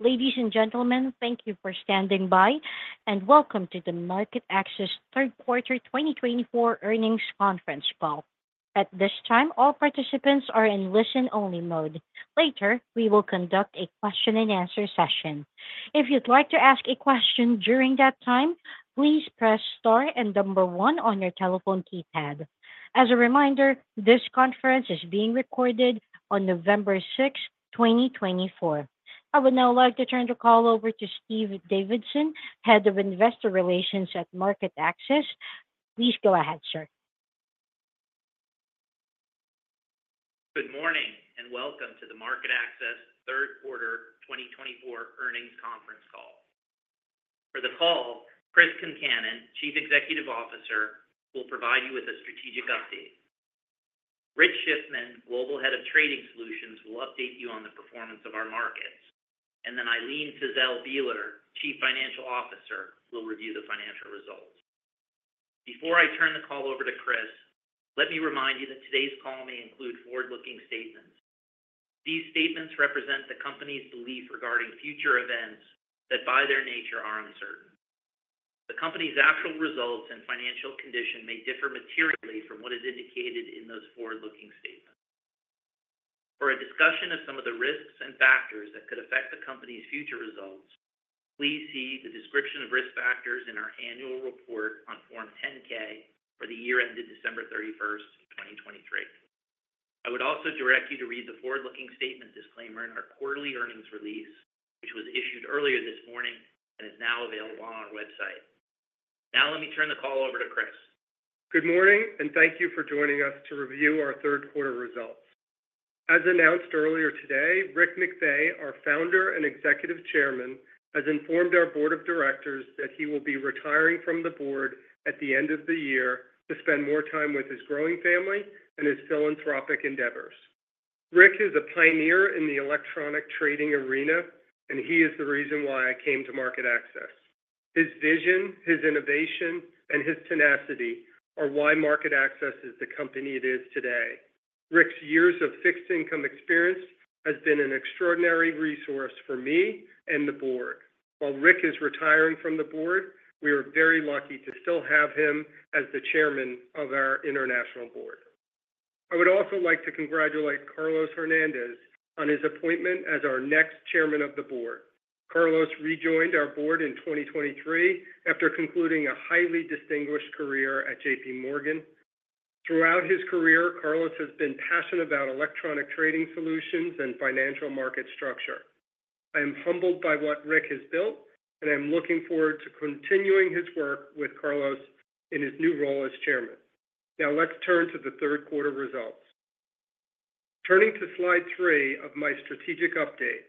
Ladies and gentlemen, thank you for standing by, and welcome to the MarketAxess Third Quarter 2024 Earnings Conference Call. At this time, all participants are in listen-only mode. Later, we will conduct a question-and-answer session. If you'd like to ask a question during that time, please press star and number one on your telephone keypad. As a reminder, this conference is being recorded on November 6, 2024. I would now like to turn the call over to Steve Davidson, Head of Investor Relations at MarketAxess. Please go ahead, sir. Good morning and welcome to the MarketAxess Third Quarter 2024 Earnings Conference Call. For the call, Chris Concannon, Chief Executive Officer, will provide you with a strategic update. Rich Schiffman, Global Head of Trading Solutions, will update you on the performance of our markets. And then Ilene Fiszel Bieler, Chief Financial Officer, will review the financial results. Before I turn the call over to Chris, let me remind you that today's call may include forward-looking statements. These statements represent the company's belief regarding future events that by their nature are uncertain. The company's actual results and financial condition may differ materially from what is indicated in those forward-looking statements. For a discussion of some of the risks and factors that could affect the company's future results, please see the description of risk factors in our annual report on Form 10-K for the year ended December 31, 2023. I would also direct you to read the forward-looking statement disclaimer in our quarterly earnings release, which was issued earlier this morning and is now available on our website. Now, let me turn the call over to Chris. Good morning, and thank you for joining us to review our third quarter results. As announced earlier today, Rick McVey, our founder and Executive Chairman, has informed our board of directors that he will be retiring from the board at the end of the year to spend more time with his growing family and his philanthropic endeavors. Rick is a pioneer in the electronic trading arena, and he is the reason why I came to MarketAxess. His vision, his innovation, and his tenacity are why MarketAxess is the company it is today. Rick's years of fixed income experience have been an extraordinary resource for me and the board. While Rick is retiring from the board, we are very lucky to still have him as the chairman of our international board. I would also like to congratulate Carlos Hernandez on his appointment as our next Chairman of the Board. Carlos rejoined our board in 2023 after concluding a highly distinguished career at J.P. Morgan. Throughout his career, Carlos has been passionate about electronic trading solutions and financial market structure. I am humbled by what Rick has built, and I'm looking forward to continuing his work with Carlos in his new role as chairman. Now, let's turn to the third quarter results. Turning to slide three of my strategic update,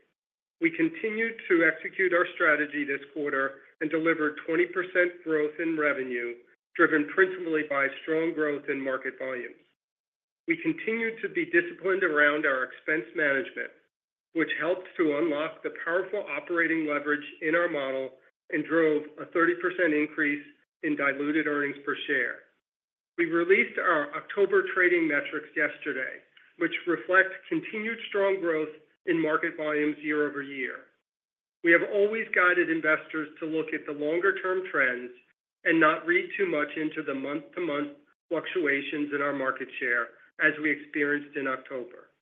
we continue to execute our strategy this quarter and deliver 20% growth in revenue driven principally by strong growth in market volumes. We continue to be disciplined around our expense management, which helped to unlock the powerful operating leverage in our model and drove a 30% increase in diluted earnings per share. We released our October trading metrics yesterday, which reflect continued strong growth in market volumes year-over-year. We have always guided investors to look at the longer-term trends and not read too much into the month-to-month fluctuations in our market share as we experienced in October.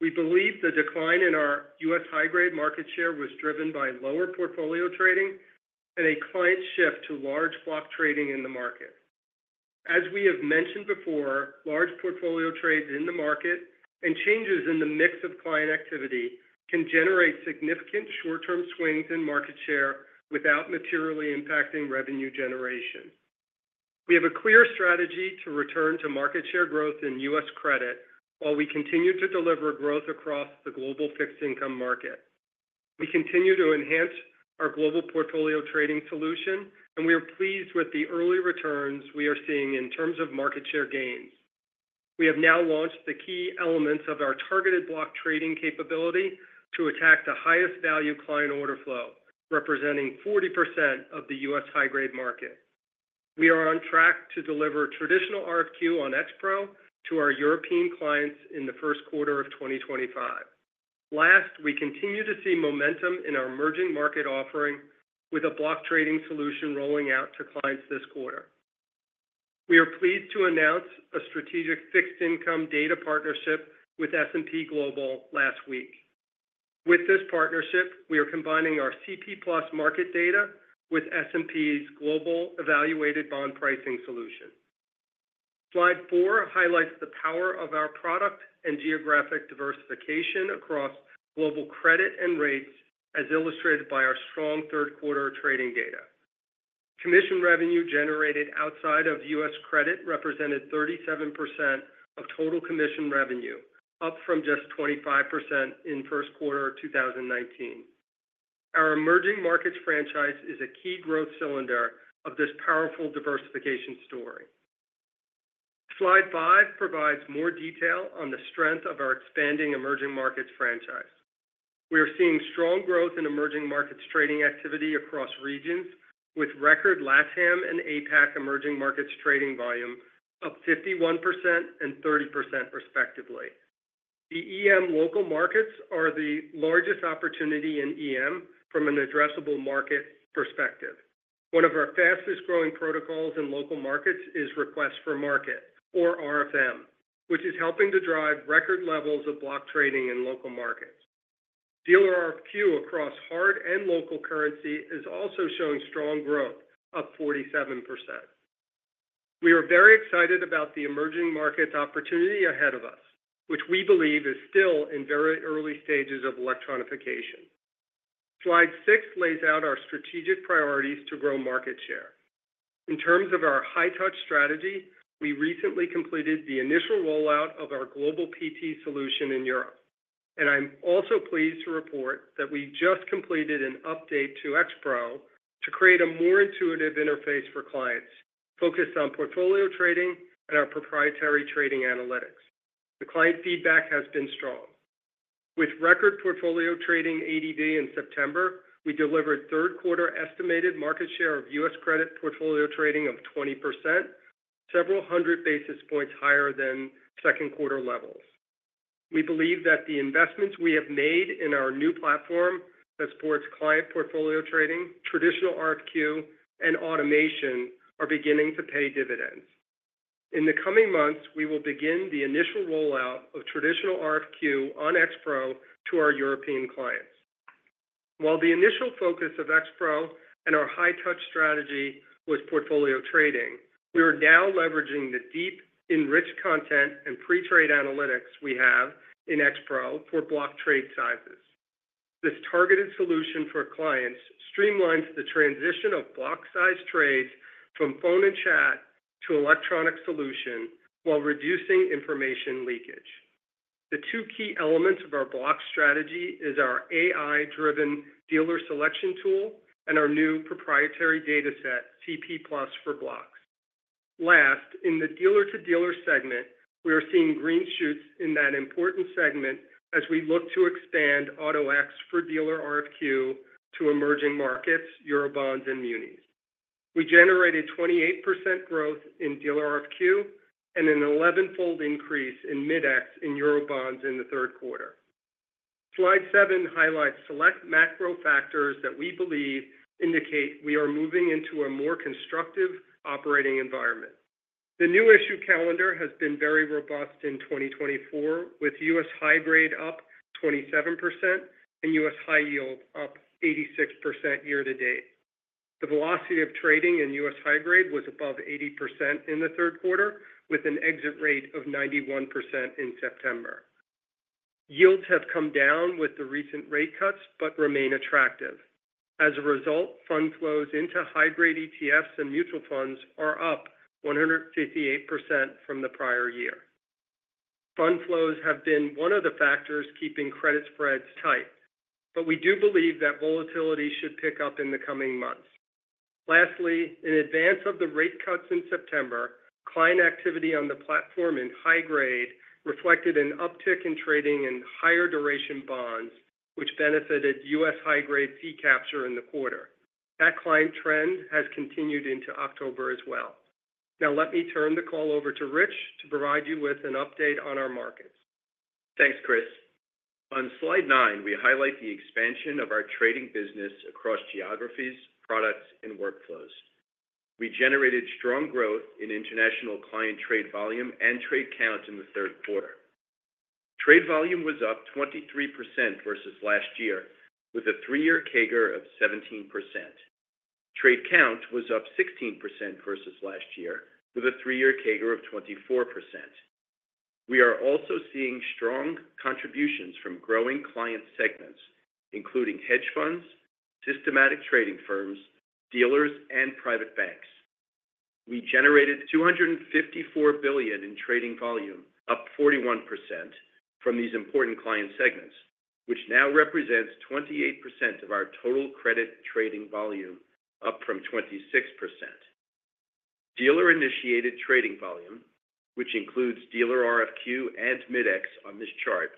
We believe the decline in our U.S. high-grade market share was driven by lower portfolio trading and a client shift to large block trading in the market. As we have mentioned before, large portfolio trades in the market and changes in the mix of client activity can generate significant short-term swings in market share without materially impacting revenue generation. We have a clear strategy to return to market share growth in U.S. credit while we continue to deliver growth across the global fixed income market. We continue to enhance our global portfolio trading solution, and we are pleased with the early returns we are seeing in terms of market share gains. We have now launched the key elements of our targeted block trading capability to attack the highest value client order flow, representing 40% of the U.S. high-grade market. We are on track to deliver traditional RFQ on X-Pro to our European clients in the first quarter of 2025. Last, we continue to see momentum in our emerging market offering with a block trading solution rolling out to clients this quarter. We are pleased to announce a strategic fixed income data partnership with S&P Global last week. With this partnership, we are combining our CP+ market data with S&P's global evaluated bond pricing solution. Slide four highlights the power of our product and geographic diversification across global credit and rates, as illustrated by our strong third quarter trading data. Commission revenue generated outside of U.S. credit represented 37% of total commission revenue, up from just 25% in first quarter of 2019. Our emerging markets franchise is a key growth cylinder of this powerful diversification story. Slide five provides more detail on the strength of our expanding emerging markets franchise. We are seeing strong growth in emerging markets trading activity across regions, with record LATAM and APAC emerging markets trading volume of 51% and 30%, respectively. The EM local markets are the largest opportunity in EM from an addressable market perspective. One of our fastest growing protocols in local markets is Request for Market, or RFM, which is helping to drive record levels of block trading in local markets. Dealer RFQ across hard and local currency is also showing strong growth, up 47%. We are very excited about the emerging markets opportunity ahead of us, which we believe is still in very early stages of electronification. Slide six lays out our strategic priorities to grow market share. In terms of our high-touch strategy, we recently completed the initial rollout of our global PT solution in Europe, and I'm also pleased to report that we just completed an update to X-Pro to create a more intuitive interface for clients focused on portfolio trading and our proprietary trading analytics. The client feedback has been strong. With record portfolio trading ADV in September, we delivered third quarter estimated market share of U.S. credit portfolio trading of 20%, several hundred basis points higher than second quarter levels. We believe that the investments we have made in our new platform that supports client portfolio trading, traditional RFQ, and automation are beginning to pay dividends. In the coming months, we will begin the initial rollout of traditional RFQ on X-Pro to our European clients. While the initial focus of X-Pro and our high-touch strategy was portfolio trading, we are now leveraging the deep, enriched content and pre-trade analytics we have in X-Pro for block trade sizes. This targeted solution for clients streamlines the transition of block-sized trades from phone and chat to electronic solution while reducing information leakage. The two key elements of our block strategy are our AI-driven dealer selection tool and our new proprietary data set, CP+ for Blocks. Last, in the dealer-to-dealer segment, we are seeing green shoots in that important segment as we look to expand Auto-X for dealer RFQ to emerging markets, Eurobonds, and munis. We generated 28% growth in dealer RFQ and an 11-fold increase in Mid-X in Eurobonds in the third quarter. Slide seven highlights select macro factors that we believe indicate we are moving into a more constructive operating environment. The new issue calendar has been very robust in 2024, with U.S. high-grade up 27% and U.S. high-yield up 86% year to date. The velocity of trading in U.S. high-grade was above 80% in the third quarter, with an exit rate of 91% in September. Yields have come down with the recent rate cuts but remain attractive. As a result, fund flows into high-grade ETFs and mutual funds are up 158% from the prior year. Fund flows have been one of the factors keeping credit spreads tight, but we do believe that volatility should pick up in the coming months. Lastly, in advance of the rate cuts in September, client activity on the platform in high-grade reflected an uptick in trading in higher duration bonds, which benefited U.S. high-grade fee capture in the quarter. That client trend has continued into October as well. Now, let me turn the call over to Rich to provide you with an update on our markets. Thanks, Chris. On slide nine, we highlight the expansion of our trading business across geographies, products, and workflows. We generated strong growth in international client trade volume and trade count in the third quarter. Trade volume was up 23% versus last year, with a three-year CAGR of 17%. Trade count was up 16% versus last year, with a three-year CAGR of 24%. We are also seeing strong contributions from growing client segments, including hedge funds, systematic trading firms, dealers, and private banks. We generated $254 billion in trading volume, up 41% from these important client segments, which now represents 28% of our total credit trading volume, up from 26%. Dealer-initiated trading volume, which includes dealer RFQ and Mid-X on this chart,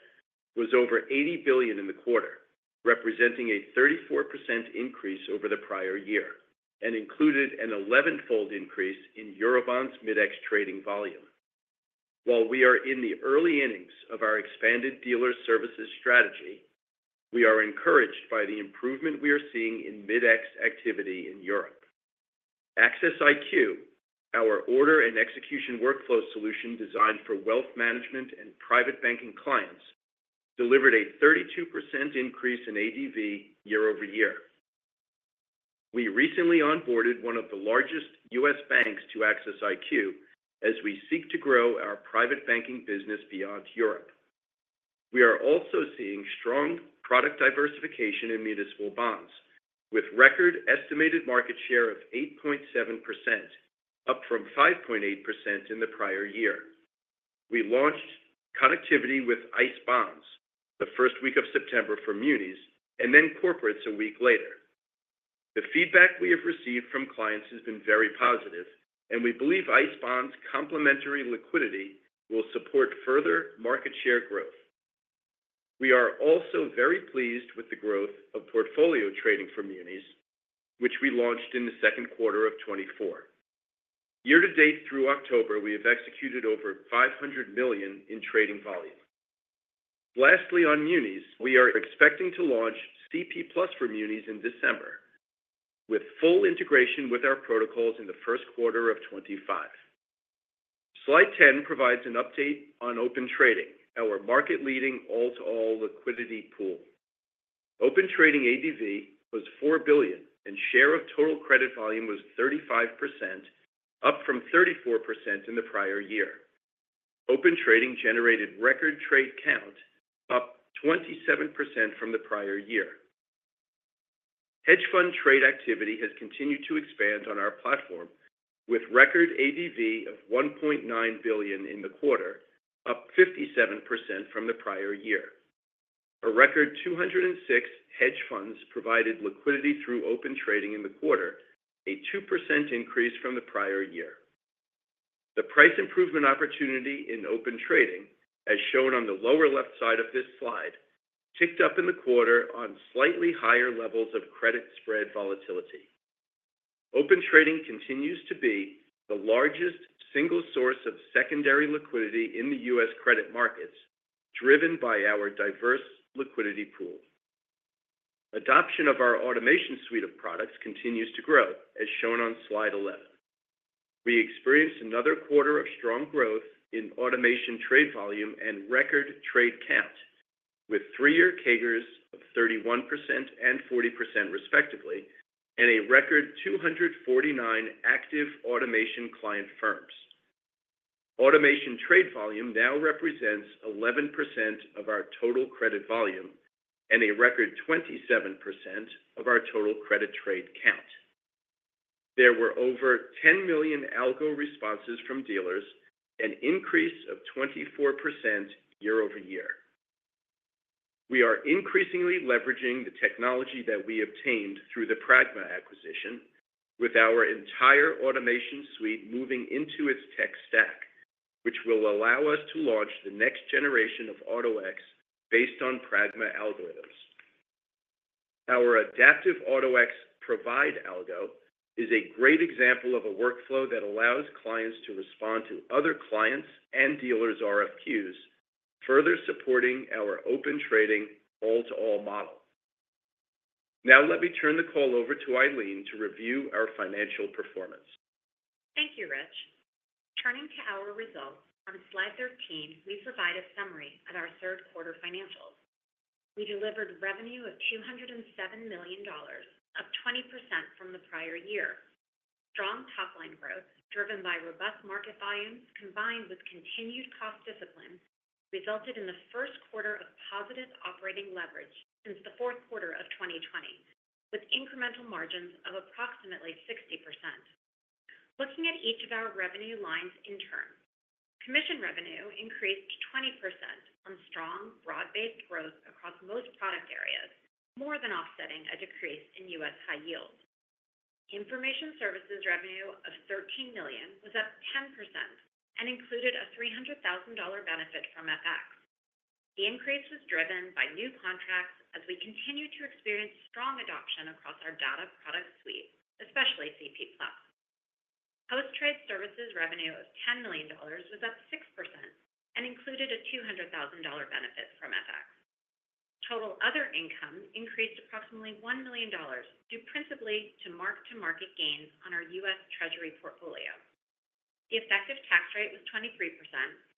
was over $80 billion in the quarter, representing a 34% increase over the prior year and included an 11-fold increase in Eurobonds Mid-X trading volume. While we are in the early innings of our expanded dealer services strategy, we are encouraged by the improvement we are seeing in Mid-X activity in Europe. Axess IQ, our order and execution workflow solution designed for wealth management and private banking clients, delivered a 32% increase in ADV year-over-year. We recently onboarded one of the largest U.S. banks to Axess IQ as we seek to grow our private banking business beyond Europe. We are also seeing strong product diversification in municipal bonds, with record estimated market share of 8.7%, up from 5.8% in the prior year. We launched connectivity with ICE Bonds the first week of September for munis and then corporates a week later. The feedback we have received from clients has been very positive, and we believe ICE Bonds' complementary liquidity will support further market share growth. We are also very pleased with the growth of portfolio trading for munis, which we launched in the second quarter of 2024. Year to date through October, we have executed over $500 million in trading volume. Lastly, on munis, we are expecting to launch CP+ for Munis in December, with full integration with our protocols in the first quarter of 2025. Slide 10 provides an update on Open Trading, our market-leading all-to-all liquidity pool. Open Trading ADV was $4 billion, and share of total credit volume was 35%, up from 34% in the prior year. Open Trading generated record trade count, up 27% from the prior year. Hedge fund trade activity has continued to expand on our platform, with record ADV of $1.9 billion in the quarter, up 57% from the prior year. A record 206 hedge funds provided liquidity through Open Trading in the quarter, a 2% increase from the prior year. The price improvement opportunity in Open Trading, as shown on the lower left side of this slide, ticked up in the quarter on slightly higher levels of credit spread volatility. Open Trading continues to be the largest single source of secondary liquidity in the U.S. credit markets, driven by our diverse liquidity pool. Adoption of our automation suite of products continues to grow, as shown on slide 11. We experienced another quarter of strong growth in automation trade volume and record trade count, with three-year CAGRs of 31% and 40%, respectively, and a record 249 active automation client firms. Automation trade volume now represents 11% of our total credit volume and a record 27% of our total credit trade count. There were over 10 million algo responses from dealers, an increase of 24% year-over-year. We are increasingly leveraging the technology that we obtained through the Pragma acquisition, with our entire automation suite moving into its tech stack, which will allow us to launch the next generation of Auto-X based on Pragma algorithms. Our Adaptive Auto-X algo is a great example of a workflow that allows clients to respond to other clients' and dealers' RFQs, further supporting our Open Trading all-to-all model. Now, let me turn the call over to Ilene to review our financial performance. Thank you, Rich. Turning to our results, on slide 13, we provide a summary of our third quarter financials. We delivered revenue of $207 million, up 20% from the prior year. Strong top-line growth, driven by robust market volumes combined with continued cost discipline, resulted in the first quarter of positive operating leverage since the fourth quarter of 2020, with incremental margins of approximately 60%. Looking at each of our revenue lines in turn, commission revenue increased 20% on strong broad-based growth across most product areas, more than offsetting a decrease in U.S. high yield. Information services revenue of $13 million was up 10% and included a $300,000 benefit from FX. The increase was driven by new contracts as we continue to experience strong adoption across our data product suite, especially CP+. Post-trade services revenue of $10 million was up 6% and included a $200,000 benefit from FX. Total other income increased approximately $1 million due principally to mark-to-market gains on our U.S. Treasury portfolio. The effective tax rate was 23%,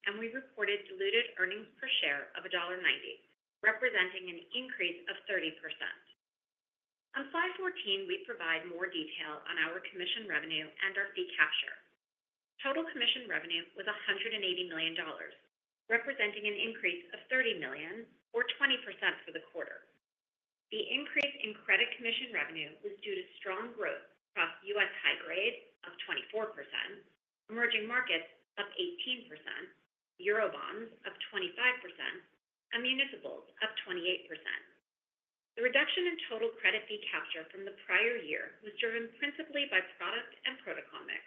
and we reported diluted earnings per share of $1.90, representing an increase of 30%. On slide 14, we provide more detail on our commission revenue and our fee capture. Total commission revenue was $180 million, representing an increase of $30 million, or 20% for the quarter. The increase in credit commission revenue was due to strong growth across U.S. high-grade of 24%, emerging markets up 18%, Eurobonds up 25%, and municipals up 28%. The reduction in total credit fee capture from the prior year was driven principally by product and protocol mix,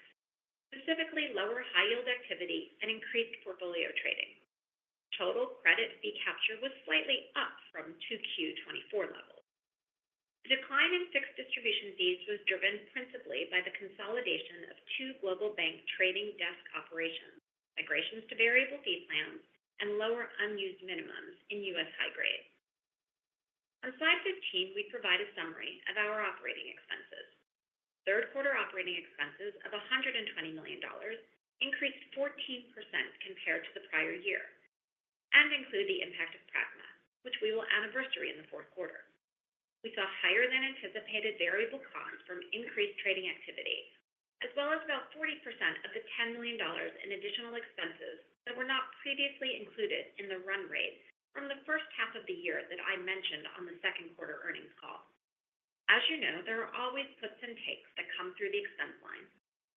specifically lower high-yield activity and increased portfolio trading. Total credit fee capture was slightly up from 2Q24 levels. The decline in fixed distribution fees was driven principally by the consolidation of two global bank trading desk operations, migrations to variable fee plans, and lower unused minimums in U.S. high grade. On slide 15, we provide a summary of our operating expenses. Third quarter operating expenses of $120 million increased 14% compared to the prior year and include the impact of Pragma, which we will anniversary in the fourth quarter. We saw higher-than-anticipated variable costs from increased trading activity, as well as about 40% of the $10 million in additional expenses that were not previously included in the run rate from the first half of the year that I mentioned on the second quarter earnings call. As you know, there are always puts and takes that come through the expense line,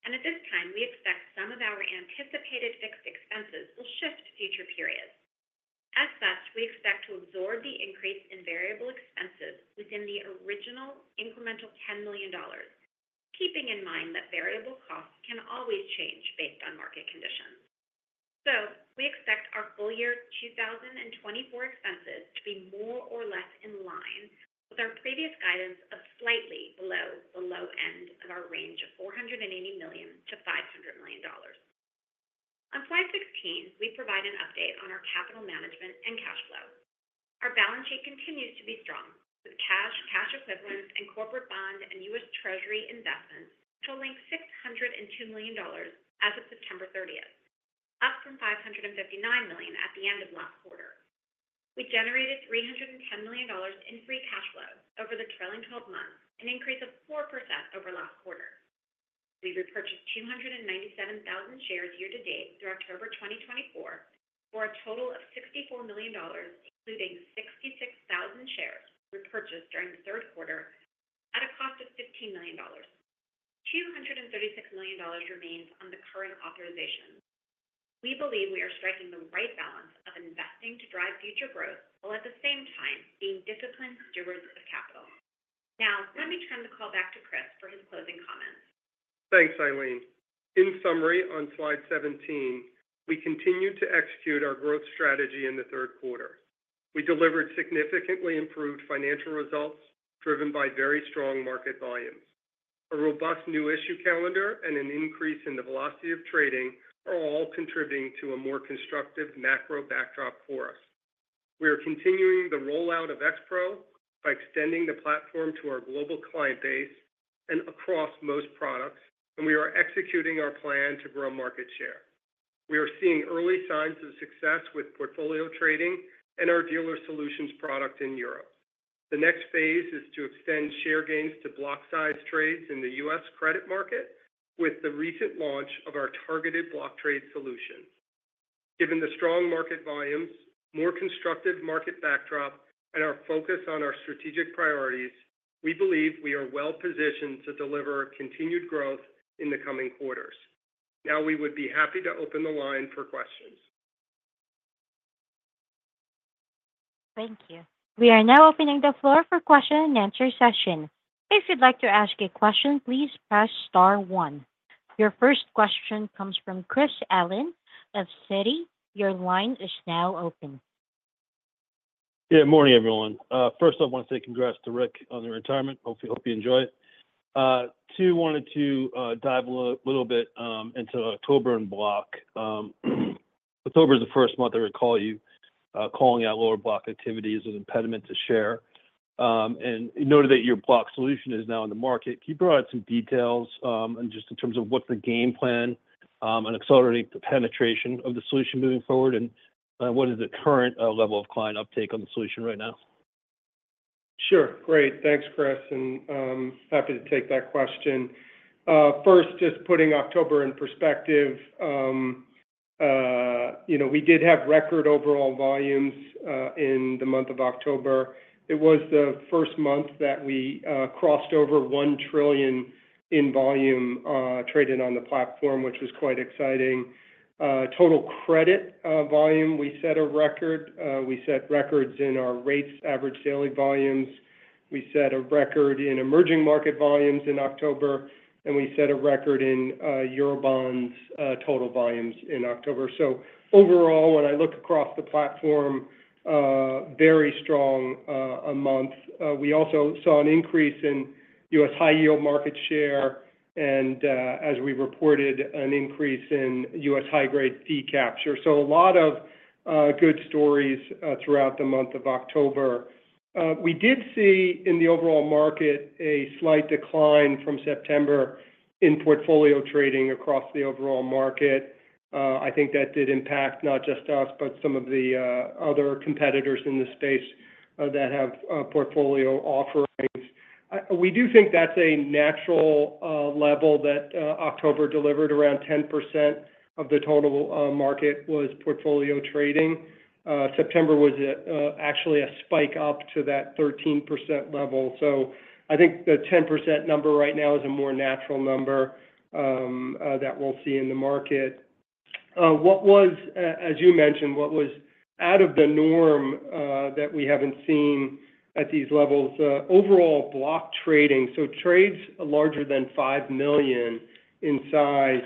and at this time, we expect some of our anticipated fixed expenses will shift future periods. As such, we expect to absorb the increase in variable expenses within the original incremental $10 million, keeping in mind that variable costs can always change based on market conditions. So, we expect our full year 2024 expenses to be more or less in line with our previous guidance of slightly below the low end of our range of $480 million-$500 million. On slide 16, we provide an update on our capital management and cash flow. Our balance sheet continues to be strong, with cash, cash equivalents, and corporate bond and U.S. Treasury investments totaling $602 million as of September 30, up from $559 million at the end of last quarter. We generated $310 million in free cash flow over the trailing 12 months, an increase of 4% over last quarter. We repurchased 297,000 shares year to date through October 2024 for a total of $64 million, including 66,000 shares repurchased during the third quarter at a cost of $15 million. $236 million remains on the current authorization. We believe we are striking the right balance of investing to drive future growth while at the same time being disciplined stewards of capital. Now, let me turn the call back to Chris for his closing comments. Thanks, Ilene. In summary, on slide 17, we continue to execute our growth strategy in the third quarter. We delivered significantly improved financial results driven by very strong market volumes. A robust new issue calendar and an increase in the velocity of trading are all contributing to a more constructive macro backdrop for us. We are continuing the rollout of X-Pro by extending the platform to our global client base and across most products, and we are executing our plan to grow market share. We are seeing early signs of success with portfolio trading and our dealer solutions product in Europe. The next phase is to extend share gains to block-sized trades in the U.S. credit market with the recent launch of our targeted block trade solution. Given the strong market volumes, more constructive market backdrop, and our focus on our strategic priorities, we believe we are well positioned to deliver continued growth in the coming quarters. Now, we would be happy to open the line for questions. Thank you. We are now opening the floor for question-and-answer session. If you'd like to ask a question, please press star one. Your first question comes from Chris Allen of Citi. Your line is now open. Good morning, everyone. First, I want to say congrats to Rick on your retirement. Hope you enjoy it. Two, wanted to dive a little bit into October and block. October is the first month I recall you calling out lower block activity as an impediment to share. And you noted that your block solution is now in the market. Can you provide some details just in terms of what's the game plan on accelerating the penetration of the solution moving forward, and what is the current level of client uptake on the solution right now? Sure. Great. Thanks, Chris. And happy to take that question. First, just putting October in perspective, we did have record overall volumes in the month of October. It was the first month that we crossed over $1 trillion in volume traded on the platform, which was quite exciting. Total credit volume, we set a record. We set records in our rates average daily volumes. We set a record in emerging market volumes in October, and we set a record in Eurobonds total volumes in October. So overall, when I look across the platform, very strong a month. We also saw an increase in U.S. high-yield market share and, as we reported, an increase in U.S. high-grade fee capture. So a lot of good stories throughout the month of October. We did see in the overall market a slight decline from September in portfolio trading across the overall market. I think that did impact not just us, but some of the other competitors in the space that have portfolio offerings. We do think that's a natural level that October delivered, around 10% of the total market was portfolio trading. September was actually a spike up to that 13% level. So I think the 10% number right now is a more natural number that we'll see in the market. As you mentioned, what was out of the norm that we haven't seen at these levels? Overall block trading, so trades larger than $5 million in size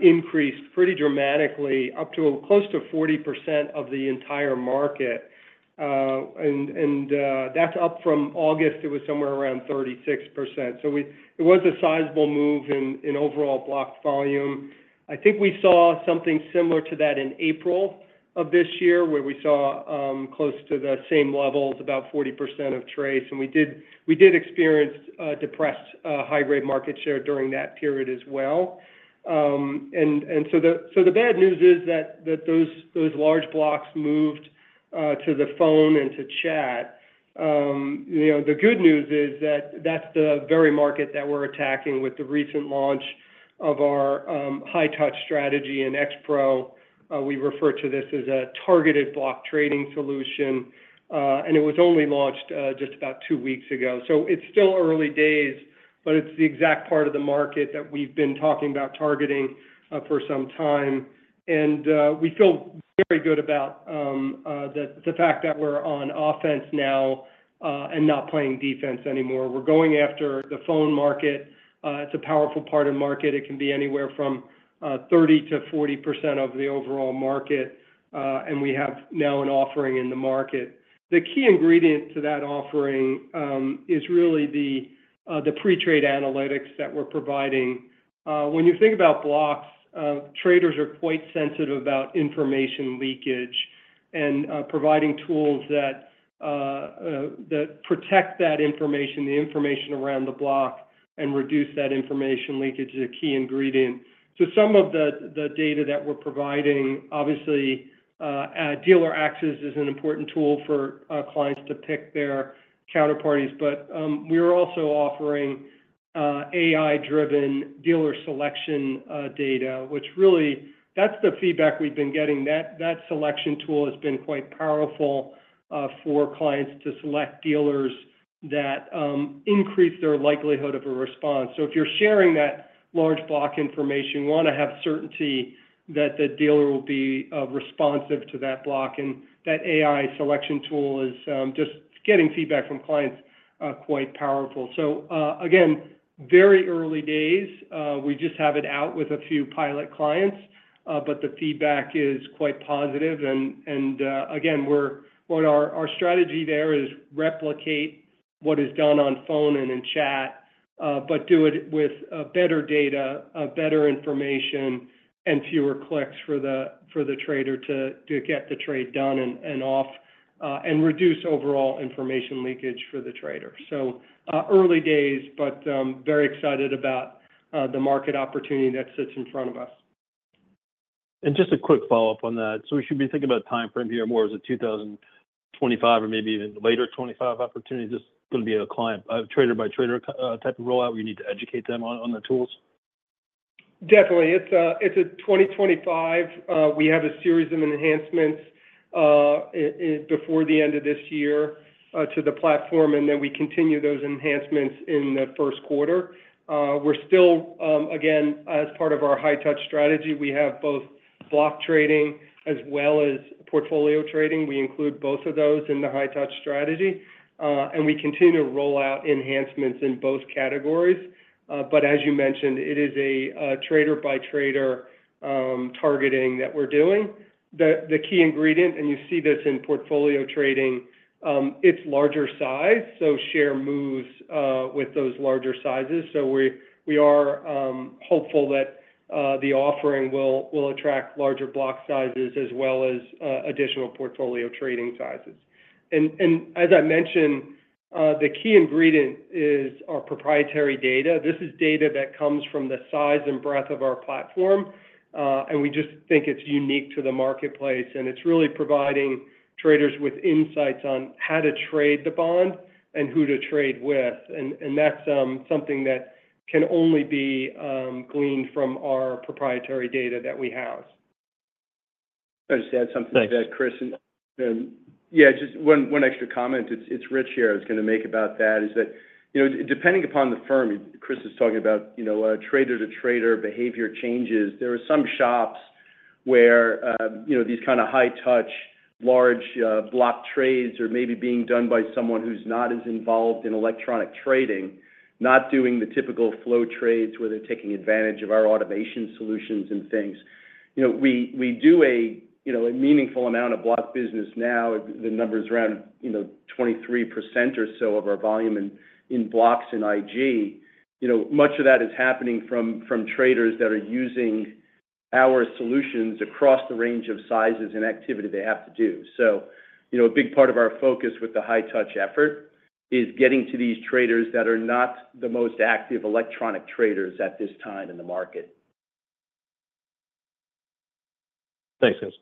increased pretty dramatically, up to close to 40% of the entire market. And that's up from August. It was somewhere around 36%. So it was a sizable move in overall block volume. I think we saw something similar to that in April of this year, where we saw close to the same levels, about 40% of trades, and we did experience depressed high-grade market share during that period as well, and so the bad news is that those large blocks moved to the phone and to chat. The good news is that that's the very market that we're attacking with the recent launch of our high-touch strategy in X-Pro. We refer to this as a targeted block trading solution, and it was only launched just about two weeks ago, so it's still early days, but it's the exact part of the market that we've been talking about targeting for some time, and we feel very good about the fact that we're on offense now and not playing defense anymore. We're going after the phone market. It's a powerful part of the market. It can be anywhere from 30%-40% of the overall market, and we have now an offering in the market. The key ingredient to that offering is really the pre-trade analytics that we're providing. When you think about blocks, traders are quite sensitive about information leakage and providing tools that protect that information, the information around the block, and reduce that information leakage is a key ingredient. So some of the data that we're providing, obviously, dealer axes is an important tool for clients to pick their counterparties, but we are also offering AI-driven dealer selection data, which really, that's the feedback we've been getting. That selection tool has been quite powerful for clients to select dealers that increase their likelihood of a response. So if you're sharing that large block information, you want to have certainty that the dealer will be responsive to that block, and that AI selection tool is just getting feedback from clients quite powerful. So again, very early days. We just have it out with a few pilot clients, but the feedback is quite positive. And again, our strategy there is to replicate what is done on phone and in chat, but do it with better data, better information, and fewer clicks for the trader to get the trade done and off and reduce overall information leakage for the trader. So early days, but very excited about the market opportunity that sits in front of us. Just a quick follow-up on that. We should be thinking about a timeframe here more as a 2025 or maybe even later 2025 opportunity. This is going to be a client trader-by-trader type of rollout. We need to educate them on the tools. Definitely. It's 2025. We have a series of enhancements before the end of this year to the platform, and then we continue those enhancements in the first quarter. We're still, again, as part of our high-touch strategy, we have both block trading as well as portfolio trading. We include both of those in the high-touch strategy, and we continue to roll out enhancements in both categories. But as you mentioned, it is a trade-by-trader targeting that we're doing. The key ingredient, and you see this in portfolio trading, it's larger size. So share moves with those larger sizes. So we are hopeful that the offering will attract larger block sizes as well as additional portfolio trading sizes. And as I mentioned, the key ingredient is our proprietary data. This is data that comes from the size and breadth of our platform, and we just think it's unique to the marketplace, and it's really providing traders with insights on how to trade the bond and who to trade with, and that's something that can only be gleaned from our proprietary data that we have. I just add something to that, Chris. Yeah, just one extra comment. It's Rich here. I was going to make about that is that depending upon the firm, Chris is talking about trade-to-trader behavior changes. There are some shops where these kind of high-touch, large block trades are maybe being done by someone who's not as involved in electronic trading, not doing the typical flow trades where they're taking advantage of our automation solutions and things. We do a meaningful amount of block business now. The number is around 23% or so of our volume in blocks in IG. Much of that is happening from traders that are using our solutions across the range of sizes and activity they have to do. So a big part of our focus with the high-touch effort is getting to these traders that are not the most active electronic traders at this time in the market. Thanks, Chris.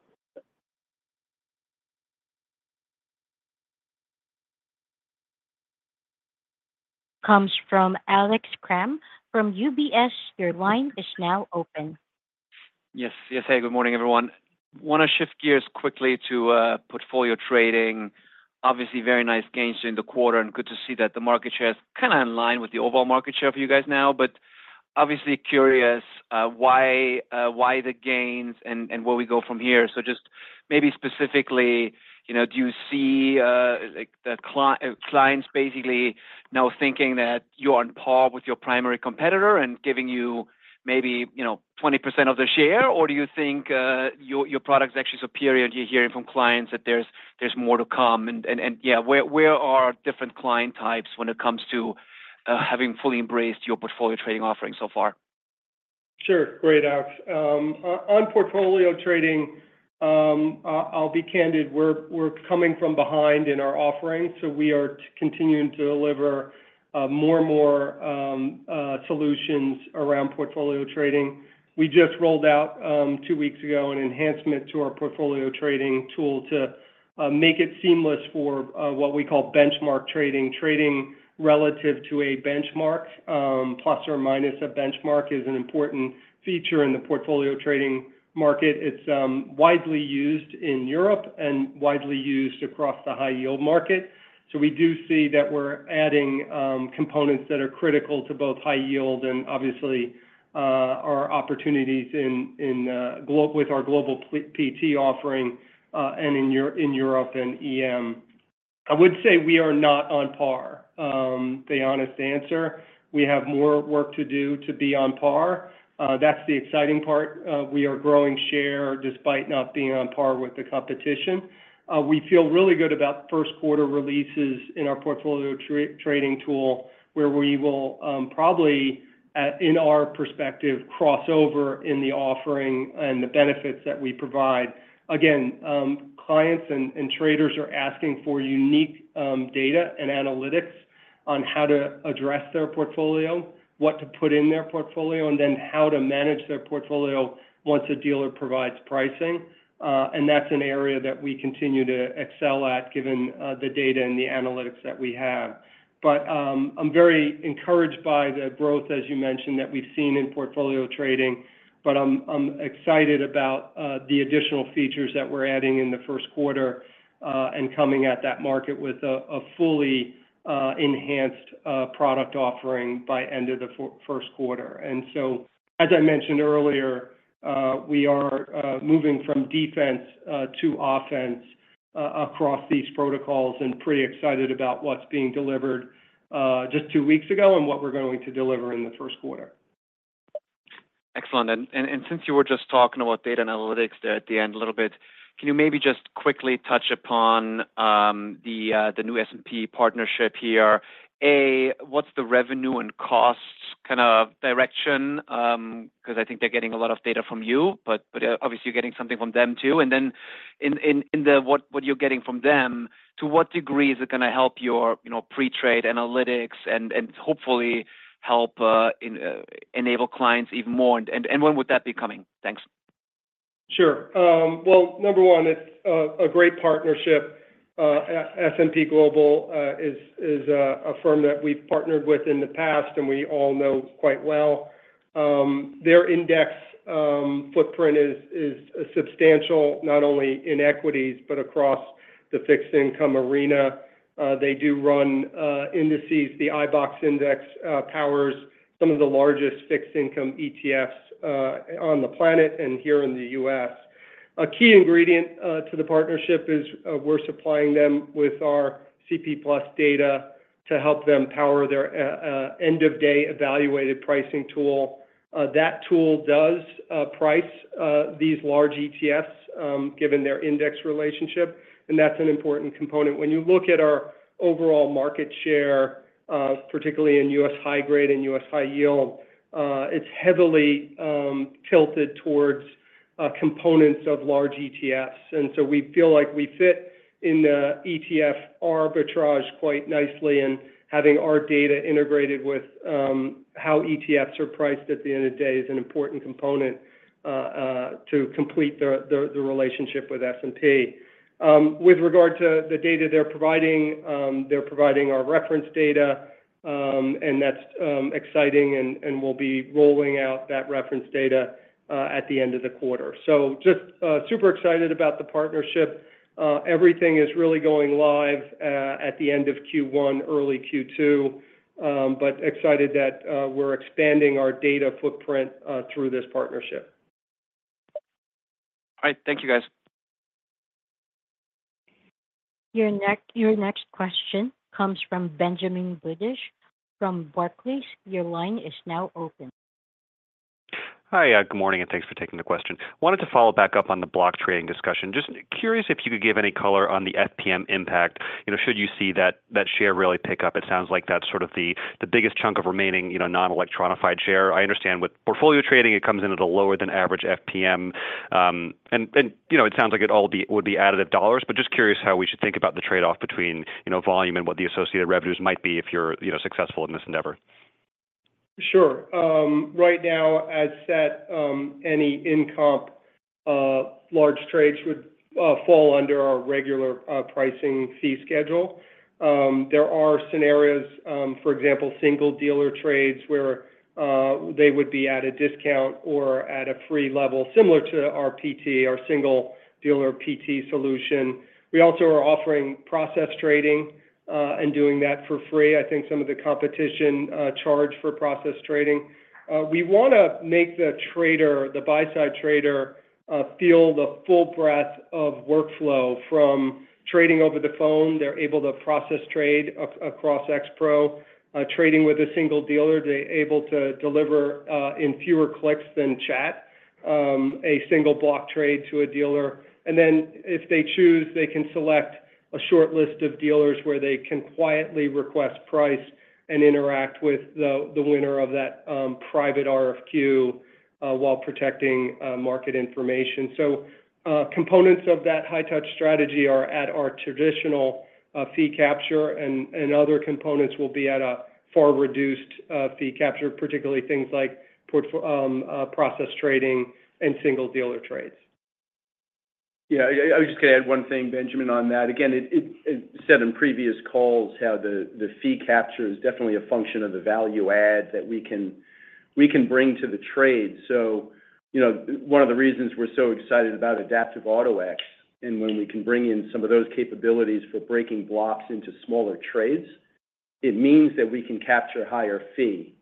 Comes from Alex Kramm from UBS. Your line is now open. Yes. Yes. Hey, good morning, everyone. Want to shift gears quickly to portfolio trading. Obviously, very nice gains during the quarter, and good to see that the market share is kind of in line with the overall market share for you guys now. But obviously, curious why the gains and where we go from here. So just maybe specifically, do you see the clients basically now thinking that you're on par with your primary competitor and giving you maybe 20% of the share, or do you think your product is actually superior? You're hearing from clients that there's more to come. And yeah, where are different client types when it comes to having fully embraced your portfolio trading offering so far? Sure. Great, Alex. On portfolio trading, I'll be candid. We're coming from behind in our offering, so we are continuing to deliver more and more solutions around portfolio trading. We just rolled out two weeks ago an enhancement to our portfolio trading tool to make it seamless for what we call benchmark trading. Trading relative to a benchmark, plus or minus a benchmark, is an important feature in the portfolio trading market. It's widely used in Europe and widely used across the high-yield market. So we do see that we're adding components that are critical to both high yield and obviously our opportunities with our global PT offering and in Europe and EM. I would say we are not on par, the honest answer. We have more work to do to be on par. That's the exciting part. We are growing share despite not being on par with the competition. We feel really good about first-quarter releases in our portfolio trading tool where we will probably, in our perspective, cross over in the offering and the benefits that we provide. Again, clients and traders are asking for unique data and analytics on how to address their portfolio, what to put in their portfolio, and then how to manage their portfolio once a dealer provides pricing. And that's an area that we continue to excel at given the data and the analytics that we have. But I'm very encouraged by the growth, as you mentioned, that we've seen in portfolio trading, but I'm excited about the additional features that we're adding in the first quarter and coming at that market with a fully enhanced product offering by the end of the first quarter. And so, as I mentioned earlier, we are moving from defense to offense across these protocols and pretty excited about what's being delivered just two weeks ago and what we're going to deliver in the first quarter. Excellent. And since you were just talking about data and analytics there at the end a little bit, can you maybe just quickly touch upon the new S&P partnership here? A, what's the revenue and cost kind of direction? Because I think they're getting a lot of data from you, but obviously, you're getting something from them too. And then in what you're getting from them, to what degree is it going to help your pre-trade analytics and hopefully help enable clients even more? And when would that be coming? Thanks. Sure. Well, number one, it's a great partnership. S&P Global is a firm that we've partnered with in the past, and we all know quite well. Their index footprint is substantial, not only in equities but across the fixed-income arena. They do run indices. The iBoxx index powers some of the largest fixed-income ETFs on the planet and here in the US. A key ingredient to the partnership is we're supplying them with our CP+ data to help them power their end-of-day evaluated pricing tool. That tool does price these large ETFs given their index relationship, and that's an important component. When you look at our overall market share, particularly in US high-grade and US high-yield, it's heavily tilted towards components of large ETFs. We feel like we fit in the ETF arbitrage quite nicely, and having our data integrated with how ETFs are priced at the end of the day is an important component to complete the relationship with S&P. With regard to the data they're providing, they're providing our reference data, and that's exciting, and we'll be rolling out that reference data at the end of the quarter. We are just super excited about the partnership. Everything is really going live at the end of Q1, early Q2, but excited that we're expanding our data footprint through this partnership. All right. Thank you, guys. Your next question comes from Benjamin Budish from Barclays. Your line is now open. Hi. Good morning, and thanks for taking the question. Wanted to follow back up on the block trading discussion. Just curious if you could give any color on the FPM impact should you see that share really pick up. It sounds like that's sort of the biggest chunk of remaining non-electronified share. I understand with portfolio trading, it comes into the lower-than-average FPM, and it sounds like it would be additive dollars, but just curious how we should think about the trade-off between volume and what the associated revenues might be if you're successful in this endeavor. Sure. Right now, as said, any in-comp large trades would fall under our regular pricing fee schedule. There are scenarios, for example, single dealer trades where they would be at a discount or at a free level similar to our PT, our single dealer PT solution. We also are offering portfolio trading and doing that for free. I think some of the competition charge for portfolio trading. We want to make the buy-side trader feel the full breadth of workflow from trading over the phone. They're able to portfolio trade across X-Pro. Trading with a single dealer, they're able to deliver in fewer clicks than chat a single block trade to a dealer. And then if they choose, they can select a short list of dealers where they can quietly request price and interact with the winner of that private RFQ while protecting market information. Components of that high-touch strategy are at our traditional fee capture, and other components will be at a far reduced fee capture, particularly things like portfolio trading and single dealer trades. Yeah. I was just going to add one thing, Benjamin, on that. Again, it said in previous calls how the fee capture is definitely a function of the value add that we can bring to the trade. So one of the reasons we're so excited about Adaptive Auto-X and when we can bring in some of those capabilities for breaking blocks into smaller trades, it means that we can capture a higher fee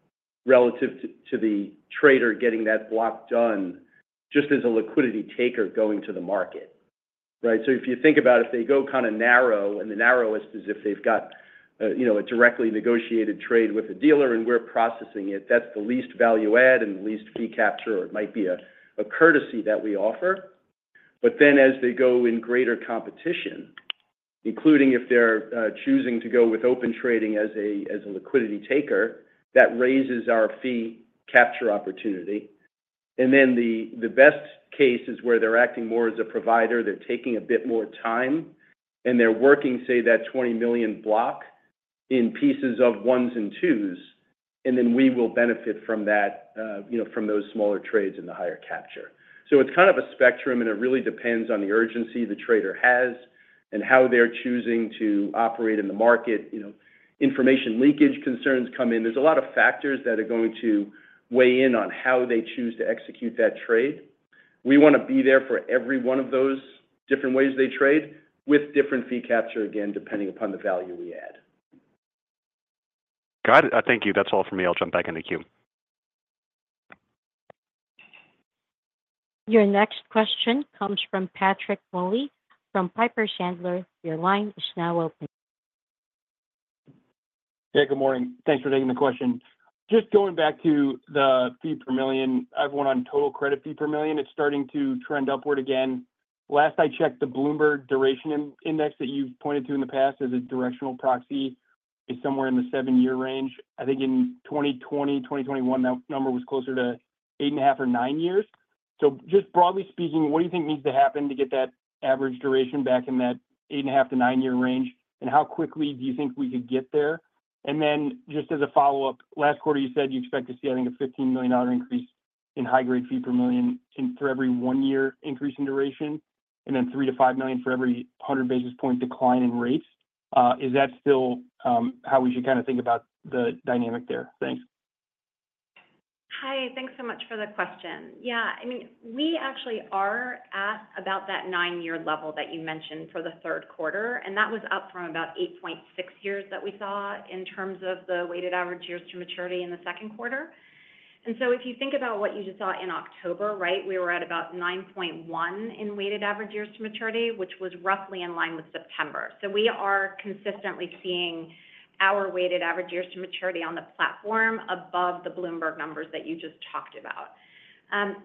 relative to the trader getting that block done just as a liquidity taker going to the market, right? So if you think about it, if they go kind of narrow, and the narrowest is if they've got a directly negotiated trade with a dealer and we're processing it, that's the least value add and the least fee capture, or it might be a courtesy that we offer. But then as they go in greater competition, including if they're choosing to go with open trading as a liquidity taker, that raises our fee capture opportunity. And then the best case is where they're acting more as a provider. They're taking a bit more time, and they're working, say, that 20 million block in pieces of ones and twos, and then we will benefit from those smaller trades and the higher capture. So it's kind of a spectrum, and it really depends on the urgency the trader has and how they're choosing to operate in the market. Information leakage concerns come in. There's a lot of factors that are going to weigh in on how they choose to execute that trade. We want to be there for every one of those different ways they trade with different fee capture, again, depending upon the value we add. Got it. Thank you. That's all for me. I'll jump back into Q. Your next question comes from Patrick Moley from Piper Sandler. Your line is now open. Yeah. Good morning. Thanks for taking the question. Just going back to the fee per million, I have one on total credit fee per million. It's starting to trend upward again. Last I checked, the Bloomberg Duration Index that you've pointed to in the past as a directional proxy is somewhere in the seven-year range. I think in 2020, 2021, that number was closer to eight and a half or nine years. So just broadly speaking, what do you think needs to happen to get that average duration back in that eight and a half to nine-year range, and how quickly do you think we could get there? Then just as a follow-up, last quarter, you said you expect to see, I think, a $15 million increase in high-grade fee per million for every one-year increase in duration, and then $3 million to $5 million for every 100 basis points decline in rates. Is that still how we should kind of think about the dynamic there? Thanks. Hi. Thanks so much for the question. Yeah. I mean, we actually are asked about that nine-year level that you mentioned for the third quarter, and that was up from about 8.6 years that we saw in terms of the weighted average years to maturity in the second quarter. And so if you think about what you just saw in October, right, we were at about 9.1 in weighted average years to maturity, which was roughly in line with September. So we are consistently seeing our weighted average years to maturity on the platform above the Bloomberg numbers that you just talked about.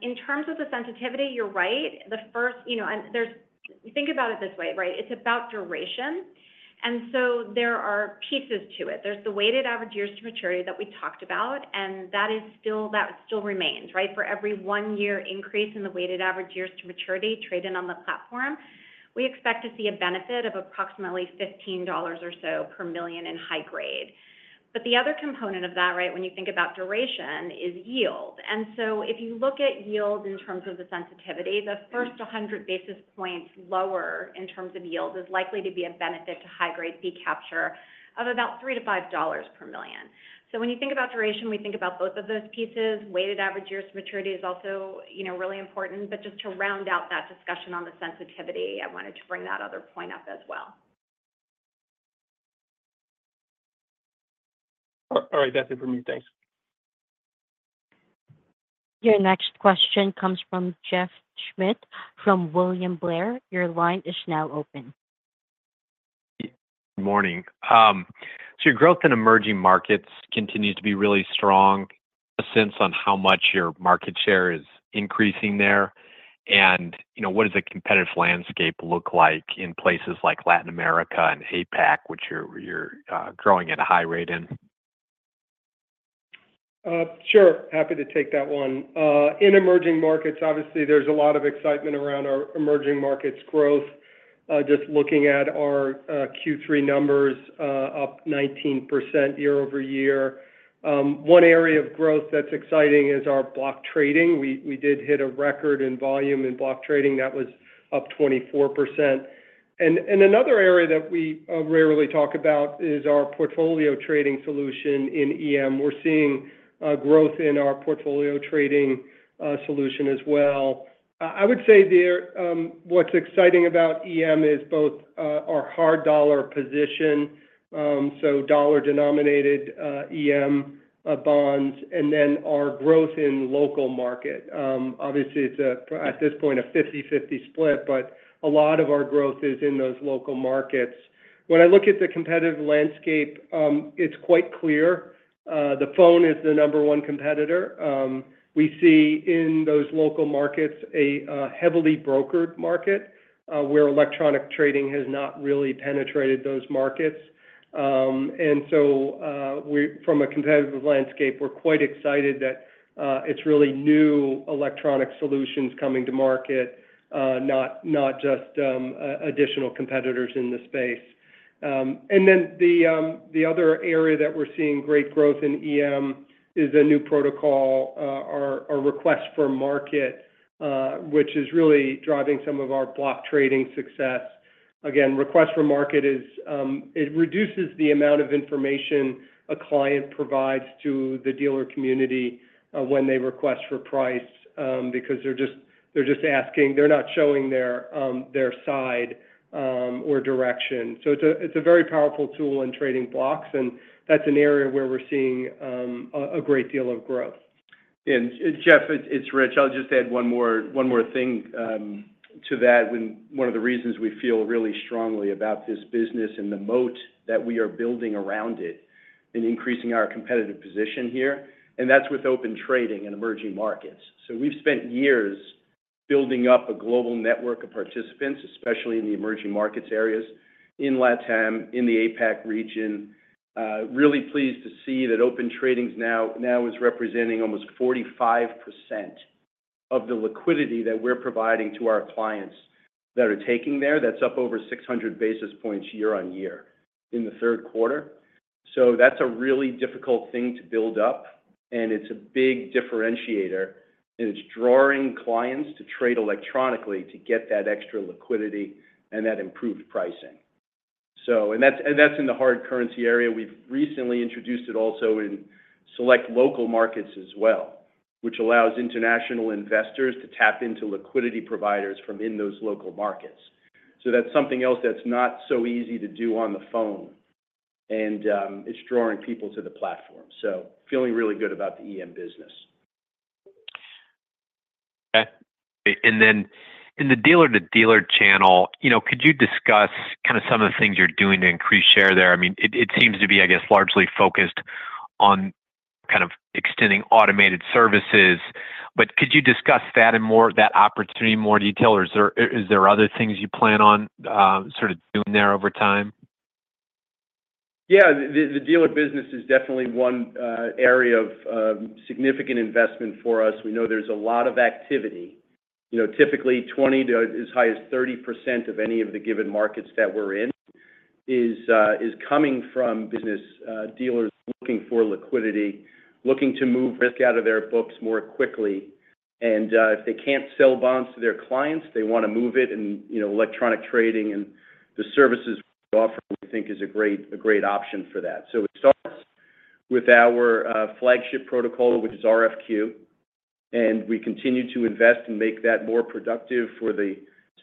In terms of the sensitivity, you're right. The first, think about it this way, right? It's about duration. And so there are pieces to it. There's the weighted average years to maturity that we talked about, and that still remains, right? For every one-year increase in the weighted average years to maturity traded on the platform, we expect to see a benefit of approximately $15 or so per million in high-grade. But the other component of that, right, when you think about duration, is yield. And so if you look at yield in terms of the sensitivity, the first 100 basis points lower in terms of yield is likely to be a benefit to high-grade fee capture of about $3-$5 per million. So when you think about duration, we think about both of those pieces. Weighted average years to maturity is also really important. But just to round out that discussion on the sensitivity, I wanted to bring that other point up as well. All right. That's it for me. Thanks. Your next question comes from Jeff Schmitt from William Blair. Your line is now open. Good morning. So your growth in emerging markets continues to be really strong. A sense on how much your market share is increasing there? And what does a competitive landscape look like in places like Latin America and APAC, which you're growing at a high rate in? Sure. Happy to take that one. In emerging markets, obviously, there's a lot of excitement around our emerging markets growth. Just looking at our Q3 numbers, up 19% year-over-year. One area of growth that's exciting is our block trading. We did hit a record in volume in block trading. That was up 24%. And another area that we rarely talk about is our portfolio trading solution in EM. We're seeing growth in our portfolio trading solution as well. I would say what's exciting about EM is both our hard dollar position, so dollar-denominated EM bonds, and then our growth in local market. Obviously, it's at this point a 50/50 split, but a lot of our growth is in those local markets. When I look at the competitive landscape, it's quite clear. The phone is the number one competitor. We see in those local markets a heavily brokered market where electronic trading has not really penetrated those markets. From a competitive landscape, we're quite excited that it's really new electronic solutions coming to market, not just additional competitors in the space. Then the other area that we're seeing great growth in EM is a new protocol, our Request for Market, which is really driving some of our block trading success. Again, Request for Market is, it reduces the amount of information a client provides to the dealer community when they request for price because they're just asking, they're not showing their side or direction. It's a very powerful tool in trading blocks, and that's an area where we're seeing a great deal of growth. And Jeff, it's Rich. I'll just add one more thing to that. One of the reasons we feel really strongly about this business and the moat that we are building around it and increasing our competitive position here, and that's with Open Trading in emerging markets. So we've spent years building up a global network of participants, especially in the emerging markets areas in LATAM, in the APAC region. Really pleased to see that Open Trading now is representing almost 45% of the liquidity that we're providing to our clients that are taking there. That's up over 600 basis points year-on-year in the third quarter. So that's a really difficult thing to build up, and it's a big differentiator, and it's drawing clients to trade electronically to get that extra liquidity and that improved pricing. And that's in the hard currency area. We've recently introduced it also in select local markets as well, which allows international investors to tap into liquidity providers from in those local markets. So that's something else that's not so easy to do on the phone, and it's drawing people to the platform. So feeling really good about the EM business. Okay. And then in the dealer-to-dealer channel, could you discuss kind of some of the things you're doing to increase share there? I mean, it seems to be, I guess, largely focused on kind of extending automated services, but could you discuss that opportunity in more detail, or is there other things you plan on sort of doing there over time? Yeah. The dealer business is definitely one area of significant investment for us. We know there's a lot of activity. Typically, 20 to as high as 30% of any of the given markets that we're in is coming from business dealers looking for liquidity, looking to move risk out of their books more quickly. And if they can't sell bonds to their clients, they want to move it, and electronic trading and the services we offer, we think, is a great option for that. So it starts with our flagship protocol, which is RFQ, and we continue to invest and make that more productive for the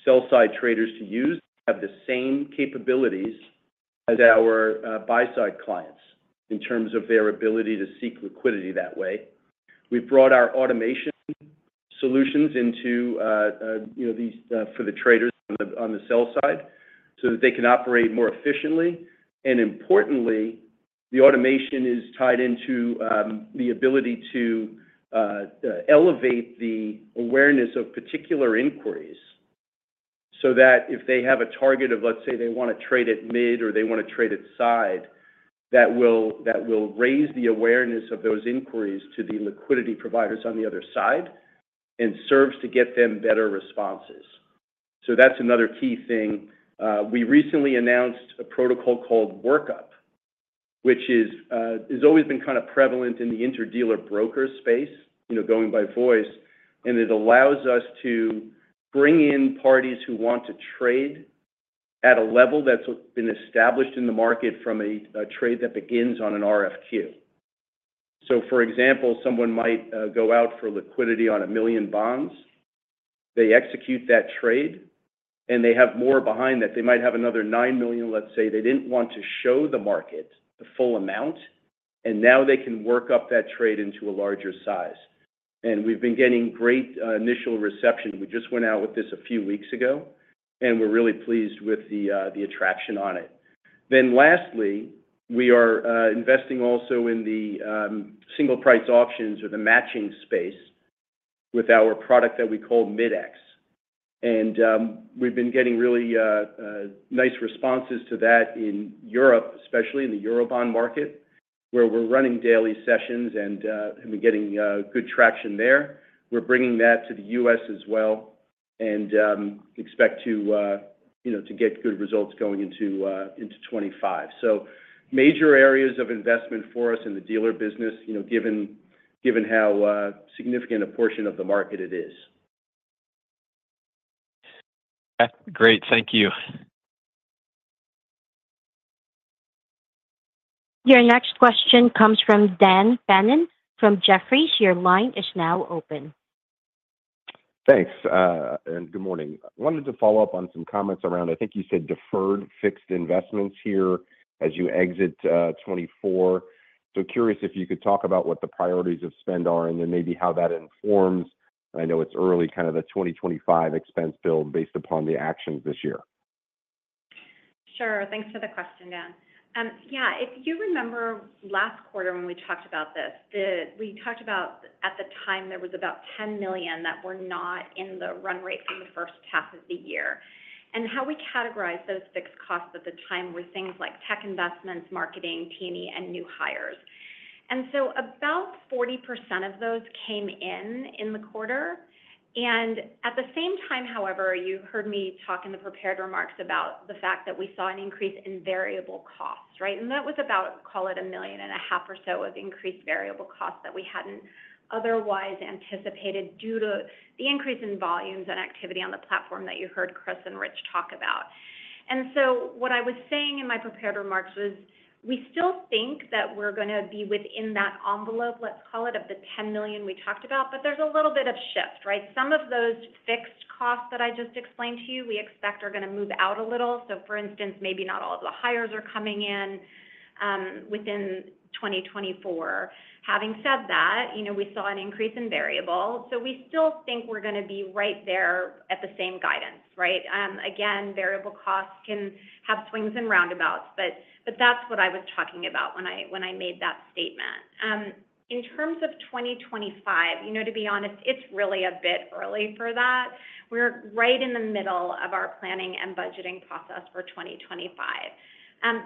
sell-side traders to use. They have the same capabilities as our buy-side clients in terms of their ability to seek liquidity that way. We've brought our automation solutions into these for the traders on the sell-side so that they can operate more efficiently. Importantly, the automation is tied into the ability to elevate the awareness of particular inquiries so that if they have a target of, let's say, they want to trade at mid or they want to trade at side, that will raise the awareness of those inquiries to the liquidity providers on the other side and serves to get them better responses. That's another key thing. We recently announced a protocol called Workup, which has always been kind of prevalent in the inter-dealer broker space, going by voice, and it allows us to bring in parties who want to trade at a level that's been established in the market from a trade that begins on an RFQ. For example, someone might go out for liquidity on a million bonds. They execute that trade, and they have more behind that. They might have another nine million, let's say. They didn't want to show the market the full amount, and now they can work up that trade into a larger size. And we've been getting great initial reception. We just went out with this a few weeks ago, and we're really pleased with the attraction on it. Then lastly, we are investing also in the single price options or the matching space with our product that we call Mid-X. And we've been getting really nice responses to that in Europe, especially in the Eurobond market, where we're running daily sessions and getting good traction there. We're bringing that to the U.S. as well and expect to get good results going into 2025. So major areas of investment for us in the dealer business, given how significant a portion of the market it is. Okay. Great. Thank you. Your next question comes from Dan Fannon from Jefferies. Your line is now open. Thanks. And good morning. I wanted to follow up on some comments around, I think you said, deferred fixed investments here as you exit 2024. So curious if you could talk about what the priorities of spend are and then maybe how that informs, I know it's early, kind of the 2025 expense bill based upon the actions this year. Sure. Thanks for the question, Dan. Yeah. If you remember last quarter when we talked about this, we talked about at the time there was about $10 million that were not in the run rate from the first half of the year. And how we categorized those fixed costs at the time were things like tech investments, marketing, T&E, and new hires. And so about 40% of those came in in the quarter. And at the same time, however, you heard me talk in the prepared remarks about the fact that we saw an increase in variable costs, right? And that was about, call it $1.5 million or so of increased variable costs that we hadn't otherwise anticipated due to the increase in volumes and activity on the platform that you heard Chris and Rich talk about. What I was saying in my prepared remarks was we still think that we're going to be within that envelope, let's call it, of the $10 million we talked about, but there's a little bit of shift, right? Some of those fixed costs that I just explained to you, we expect are going to move out a little. For instance, maybe not all of the hires are coming in within 2024. Having said that, we saw an increase in variable. We still think we're going to be right there at the same guidance, right? Again, variable costs can have swings and roundabouts, but that's what I was talking about when I made that statement. In terms of 2025, to be honest, it's really a bit early for that. We're right in the middle of our planning and budgeting process for 2025.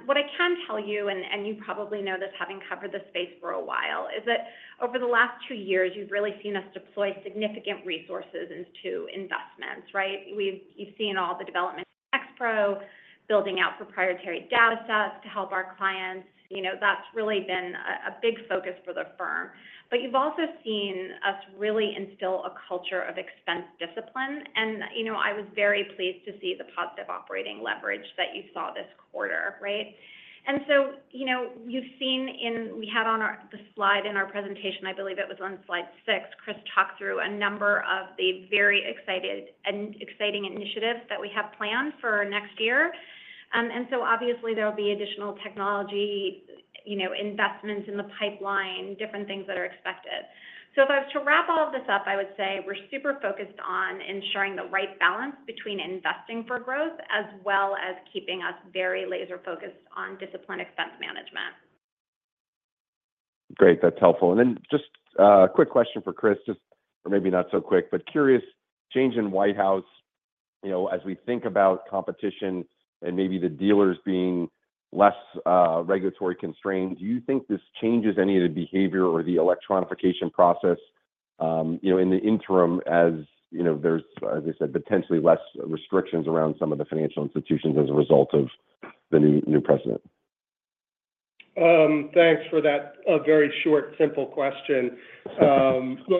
What I can tell you, and you probably know this having covered the space for a while, is that over the last two years, you've really seen us deploy significant resources into investments, right? You've seen all the development of X-Pro, building out proprietary data sets to help our clients. That's really been a big focus for the firm, but you've also seen us really instill a culture of expense discipline, and I was very pleased to see the positive operating leverage that you saw this quarter, right, and so you've seen, we had on the slide in our presentation. I believe it was on slide six. Chris talked through a number of the very exciting initiatives that we have planned for next year, and so obviously, there will be additional technology investments in the pipeline, different things that are expected. So if I was to wrap all of this up, I would say we're super focused on ensuring the right balance between investing for growth as well as keeping us very laser-focused on discipline expense management. Great. That's helpful. And then just a quick question for Chris, just or maybe not so quick, but curious, change in White House as we think about competition and maybe the dealers being less regulatory constrained, do you think this changes any of the behavior or the electronification process in the interim as there's, as I said, potentially less restrictions around some of the financial institutions as a result of the new president? Thanks for that very short, simple question. The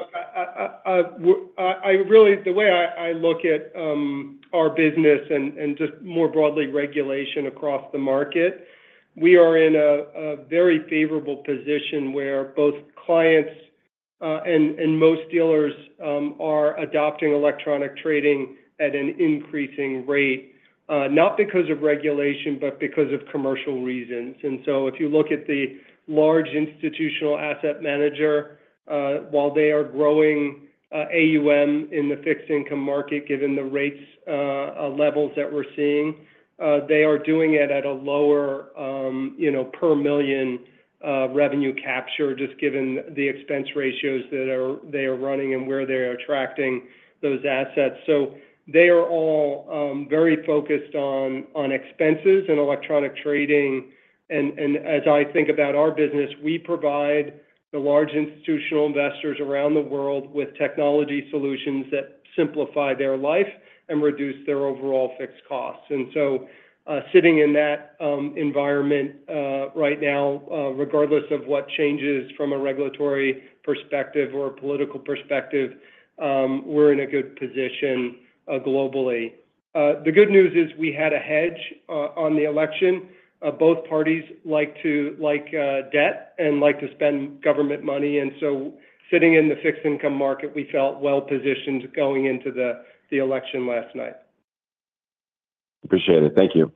way I look at our business and just more broadly regulation across the market, we are in a very favorable position where both clients and most dealers are adopting electronic trading at an increasing rate, not because of regulation, but because of commercial reasons, and so if you look at the large institutional asset manager, while they are growing AUM in the fixed income market, given the rates levels that we're seeing, they are doing it at a lower per million revenue capture just given the expense ratios that they are running and where they are attracting those assets, so they are all very focused on expenses and electronic trading, and as I think about our business, we provide the large institutional investors around the world with technology solutions that simplify their life and reduce their overall fixed costs. And so sitting in that environment right now, regardless of what changes from a regulatory perspective or a political perspective, we're in a good position globally. The good news is we had a hedge on the election. Both parties like debt and like to spend government money. And so sitting in the fixed income market, we felt well-positioned going into the election last night. Appreciate it. Thank you.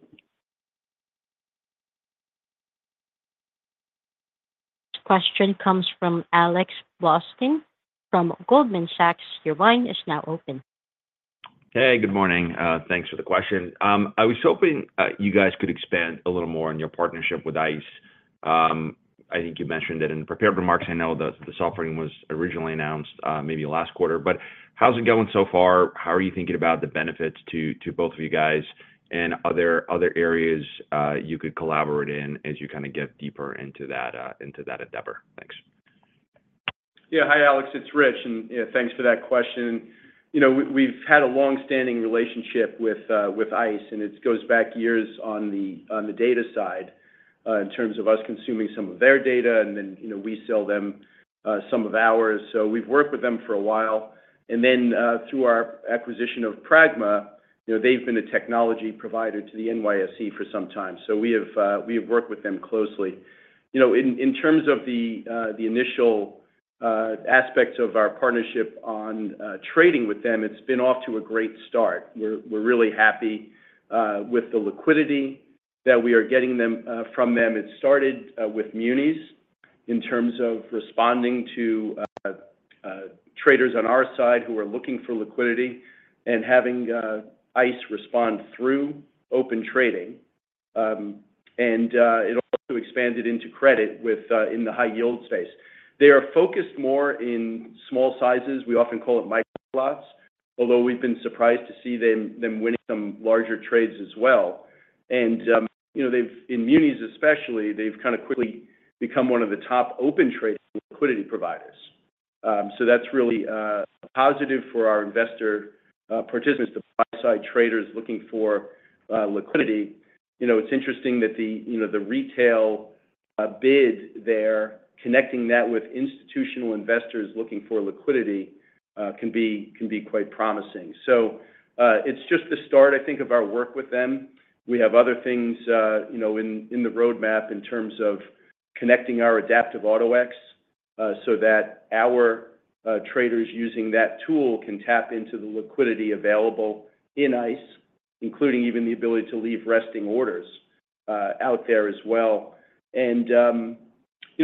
Question comes from Alex Blostein from Goldman Sachs. Your line is now open. Hey, good morning. Thanks for the question. I was hoping you guys could expand a little more on your partnership with ICE. I think you mentioned it in the prepared remarks. I know the software was originally announced maybe last quarter, but how's it going so far? How are you thinking about the benefits to both of you guys and other areas you could collaborate in as you kind of get deeper into that endeavor? Thanks. Yeah. Hi, Alex. It's Rich, and thanks for that question. We've had a long-standing relationship with ICE, and it goes back years on the data side in terms of us consuming some of their data, and then we sell them some of ours. So we've worked with them for a while. And then through our acquisition of Pragma, they've been a technology provider to the NYSE for some time. So we have worked with them closely. In terms of the initial aspects of our partnership on trading with them, it's been off to a great start. We're really happy with the liquidity that we are getting from them. It started with Munis in terms of responding to traders on our side who are looking for liquidity and having ICE respond through Open Trading. And it also expanded into credit in the high-yield space. They are focused more in small sizes. We often call it micro lots, although we've been surprised to see them winning some larger trades as well, and in Munis especially, they've kind of quickly become one of the top Open Trading liquidity providers, so that's really positive for our investor participants, the buy-side traders looking for liquidity. It's interesting that the retail bid there, connecting that with institutional investors looking for liquidity, can be quite promising, so it's just the start, I think, of our work with them. We have other things in the roadmap in terms of connecting our Adaptive Auto-X so that our traders using that tool can tap into the liquidity available in ICE, including even the ability to leave resting orders out there as well, and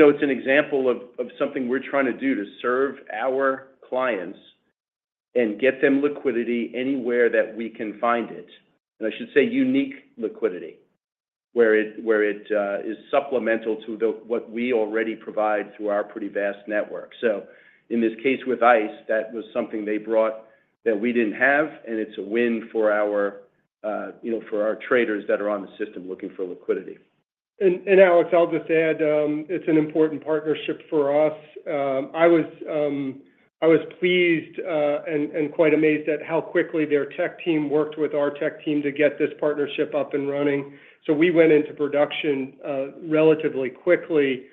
it's an example of something we're trying to do to serve our clients and get them liquidity anywhere that we can find it. I should say unique liquidity, where it is supplemental to what we already provide through our pretty vast network. So in this case with ICE, that was something they brought that we didn't have, and it's a win for our traders that are on the system looking for liquidity. Alex, I'll just add, it's an important partnership for us. I was pleased and quite amazed at how quickly their tech team worked with our tech team to get this partnership up and running. So we went into production relatively quickly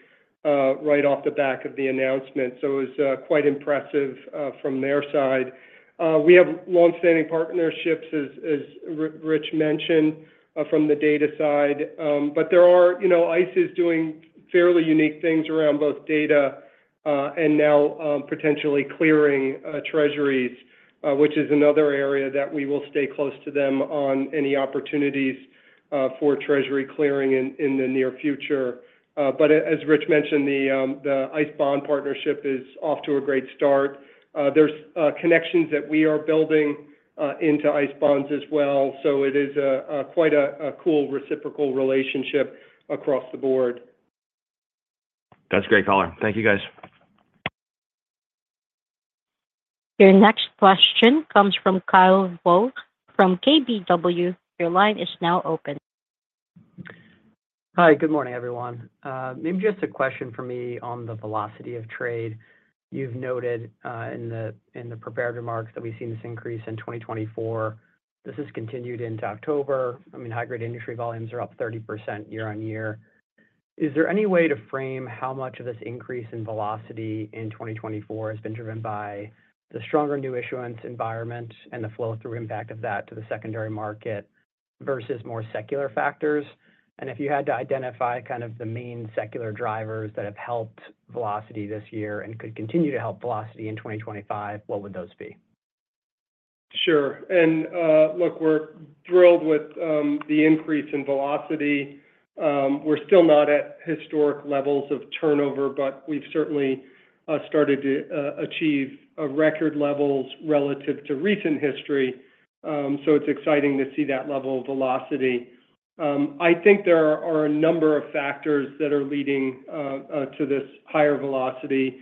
right off the back of the announcement. So it was quite impressive from their side. We have long-standing partnerships, as Rich mentioned, from the data side. But ICE is doing fairly unique things around both data and now potentially clearing Treasuries, which is another area that we will stay close to them on any opportunities for treasury clearing in the near future. But as Rich mentioned, the ICE Bonds partnership is off to a great start. There's connections that we are building into ICE Bonds as well. So it is quite a cool reciprocal relationship across the board. That's great color. Thank you, guys. Your next question comes from Kyle Voigt from KBW. Your line is now open. Hi, good morning, everyone. Maybe just a question for me on the velocity of trade. You've noted in the prepared remarks that we've seen this increase in 2024. This has continued into October. I mean, high-grade industry volumes are up 30% year-on-year. Is there any way to frame how much of this increase in velocity in 2024 has been driven by the stronger new issuance environment and the flow-through impact of that to the secondary market versus more secular factors? And if you had to identify kind of the main secular drivers that have helped velocity this year and could continue to help velocity in 2025, what would those be? Sure. And look, we're thrilled with the increase in velocity. We're still not at historic levels of turnover, but we've certainly started to achieve record levels relative to recent history. So it's exciting to see that level of velocity. I think there are a number of factors that are leading to this higher velocity.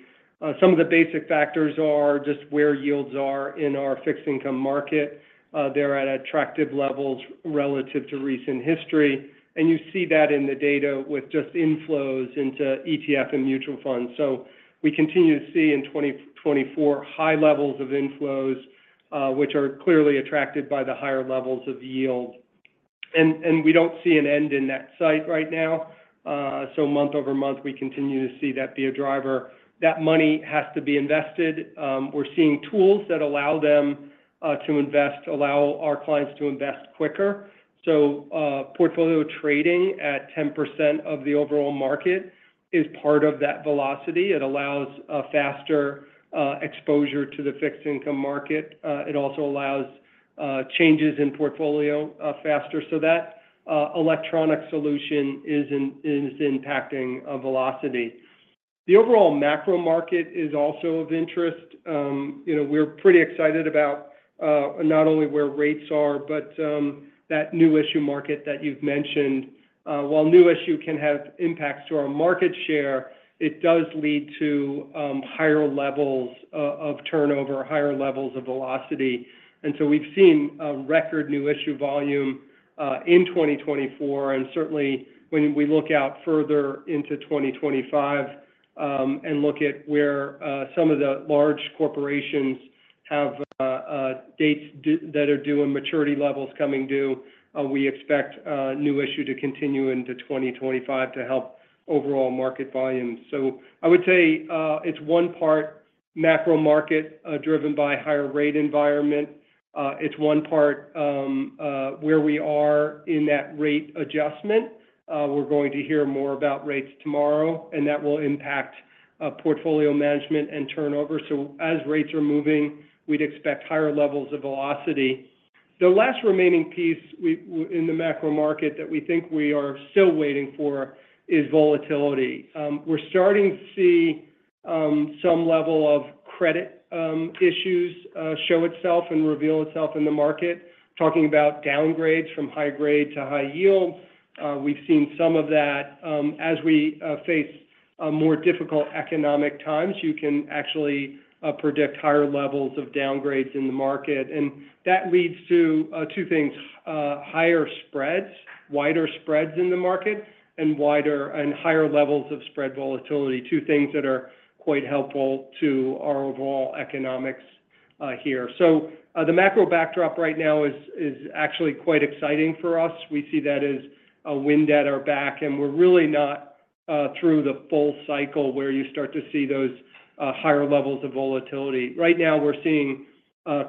Some of the basic factors are just where yields are in our fixed income market. They're at attractive levels relative to recent history. And you see that in the data with just inflows into ETF and mutual funds. So we continue to see in 2024 high levels of inflows, which are clearly attracted by the higher levels of yield. And we don't see an end in sight right now. So month over month, we continue to see that be a driver. That money has to be invested. We're seeing tools that allow them to invest, allow our clients to invest quicker, so portfolio trading at 10% of the overall market is part of that velocity. It allows faster exposure to the fixed income market. It also allows changes in portfolio faster, so that electronic solution is impacting velocity. The overall macro market is also of interest. We're pretty excited about not only where rates are, but that new issue market that you've mentioned. While new issue can have impacts to our market share, it does lead to higher levels of turnover, higher levels of velocity, and so we've seen record new issue volume in 2024, and certainly, when we look out further into 2025 and look at where some of the large corporations have dates that are due and maturity levels coming due, we expect new issue to continue into 2025 to help overall market volumes. So I would say it's one part macro market driven by higher rate environment. It's one part where we are in that rate adjustment. We're going to hear more about rates tomorrow, and that will impact portfolio management and turnover. So as rates are moving, we'd expect higher levels of velocity. The last remaining piece in the macro market that we think we are still waiting for is volatility. We're starting to see some level of credit issues show itself and reveal itself in the market. Talking about downgrades from high grade to high yield, we've seen some of that as we face more difficult economic times. You can actually predict higher levels of downgrades in the market. And that leads to two things: higher spreads, wider spreads in the market, and higher levels of spread volatility, two things that are quite helpful to our overall economics here. So the macro backdrop right now is actually quite exciting for us. We see that as a wind at our back, and we're really not through the full cycle where you start to see those higher levels of volatility. Right now, we're seeing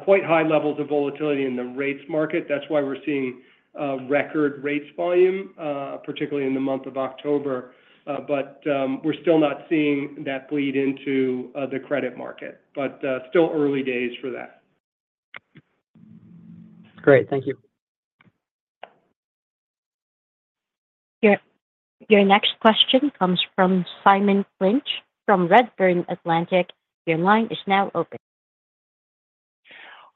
quite high levels of volatility in the rates market. That's why we're seeing record rates volume, particularly in the month of October. But we're still not seeing that bleed into the credit market, but still early days for that. Great. Thank you. Your next question comes from Simon Clinch from Redburn Atlantic. Your line is now open.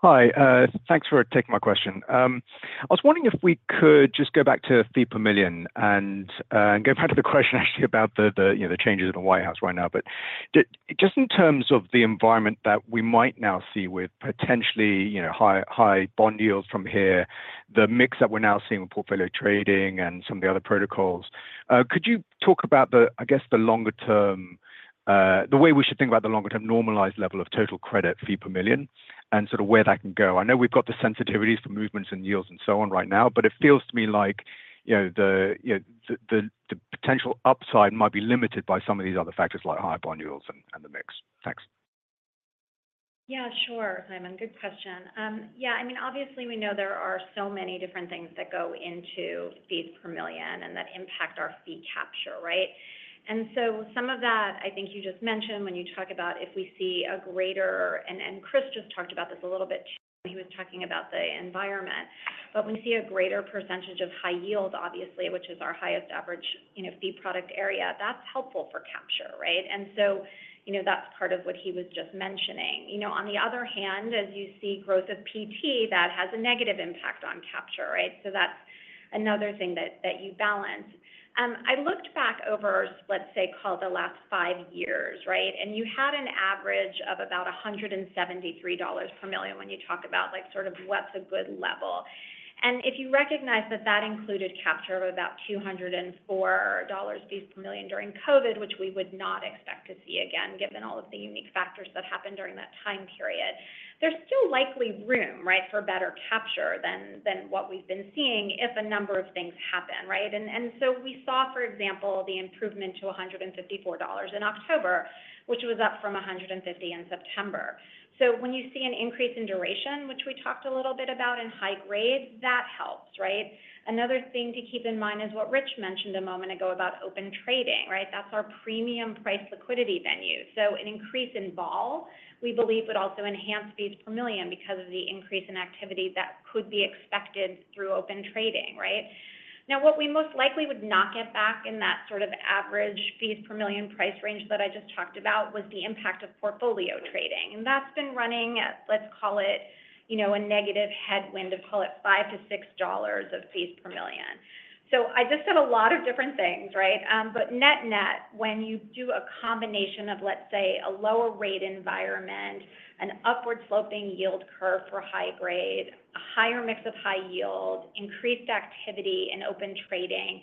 Hi. Thanks for taking my question. I was wondering if we could just go back to the per million and go back to the question actually about the changes in the White House right now. But just in terms of the environment that we might now see with potentially high bond yields from here, the mix that we're now seeing with portfolio trading and some of the other protocols, could you talk about, I guess, the longer-term, the way we should think about the longer-term normalized level of total credit fee per million and sort of where that can go? I know we've got the sensitivities for movements and yields and so on right now, but it feels to me like the potential upside might be limited by some of these other factors like high bond yields and the mix. Thanks. Yeah, sure, Simon. Good question. Yeah. I mean, obviously, we know there are so many different things that go into fees per million and that impact our fee capture, right? And so some of that, I think you just mentioned when you talk about if we see a greater, and Chris just talked about this a little bit too when he was talking about the environment, but when we see a greater percentage of high yield, obviously, which is our highest average fee product area, that's helpful for capture, right? And so that's part of what he was just mentioning. On the other hand, as you see growth of PT, that has a negative impact on capture, right? So that's another thing that you balance. I looked back over, let's say, call it the last five years, right? You had an average of about $173 per million when you talk about sort of what's a good level. If you recognize that that included capture of about $204 fees per million during COVID, which we would not expect to see again given all of the unique factors that happened during that time period, there's still likely room, right, for better capture than what we've been seeing if a number of things happen, right? We saw, for example, the improvement to $154 in October, which was up from $150 in September. When you see an increase in duration, which we talked a little bit about in high grade, that helps, right? Another thing to keep in mind is what Rich mentioned a moment ago about Open Trading, right? That's our premium price liquidity venue. So an increase in vol, we believe, would also enhance fees per million because of the increase in activity that could be expected through open trading, right? Now, what we most likely would not get back in that sort of average fees per million price range that I just talked about was the impact of portfolio trading. And that's been running, let's call it a negative headwind of, call it $5-$6 of fees per million. So I just said a lot of different things, right? But net-net, when you do a combination of, let's say, a lower rate environment, an upward-sloping yield curve for high grade, a higher mix of high yield, increased activity in open trading,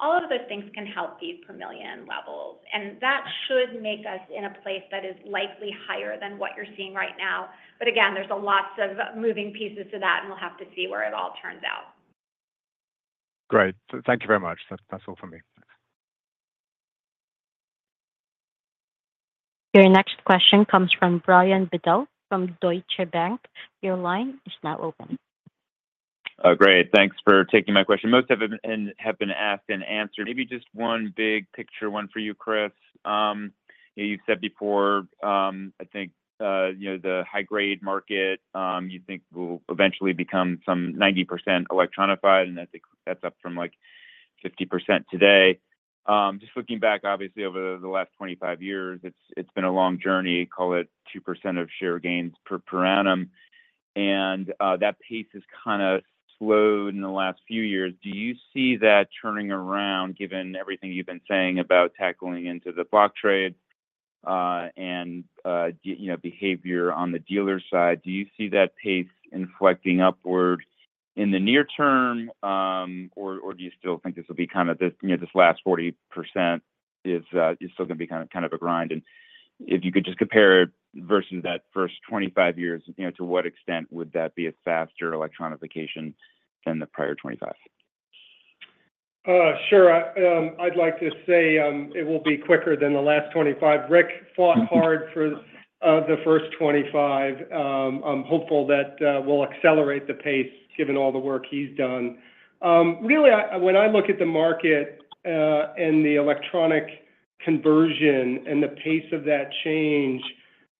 all of those things can help fees per million levels. And that should make us in a place that is likely higher than what you're seeing right now. But again, there's lots of moving pieces to that, and we'll have to see where it all turns out. Great. Thank you very much. That's all from me. Your next question comes from Brian Bedell from Deutsche Bank. Your line is now open. Great. Thanks for taking my question. Most have been asked and answered. Maybe just one big picture one for you, Chris. You've said before, I think the high-grade market, you think, will eventually become some 90% electronified, and I think that's up from like 50% today. Just looking back, obviously, over the last 25 years, it's been a long journey, call it 2% of share gains per annum. And that pace has kind of slowed in the last few years. Do you see that turning around, given everything you've been saying about tackling into the block trade and behavior on the dealer side? Do you see that pace inflecting upward in the near term, or do you still think this will be kind of this last 40% is still going to be kind of a grind? If you could just compare it versus that first 25 years, to what extent would that be a faster electronification than the prior 25? Sure. I'd like to say it will be quicker than the last 25. Rick fought hard for the first 25. I'm hopeful that we'll accelerate the pace given all the work he's done. Really, when I look at the market and the electronic conversion and the pace of that change,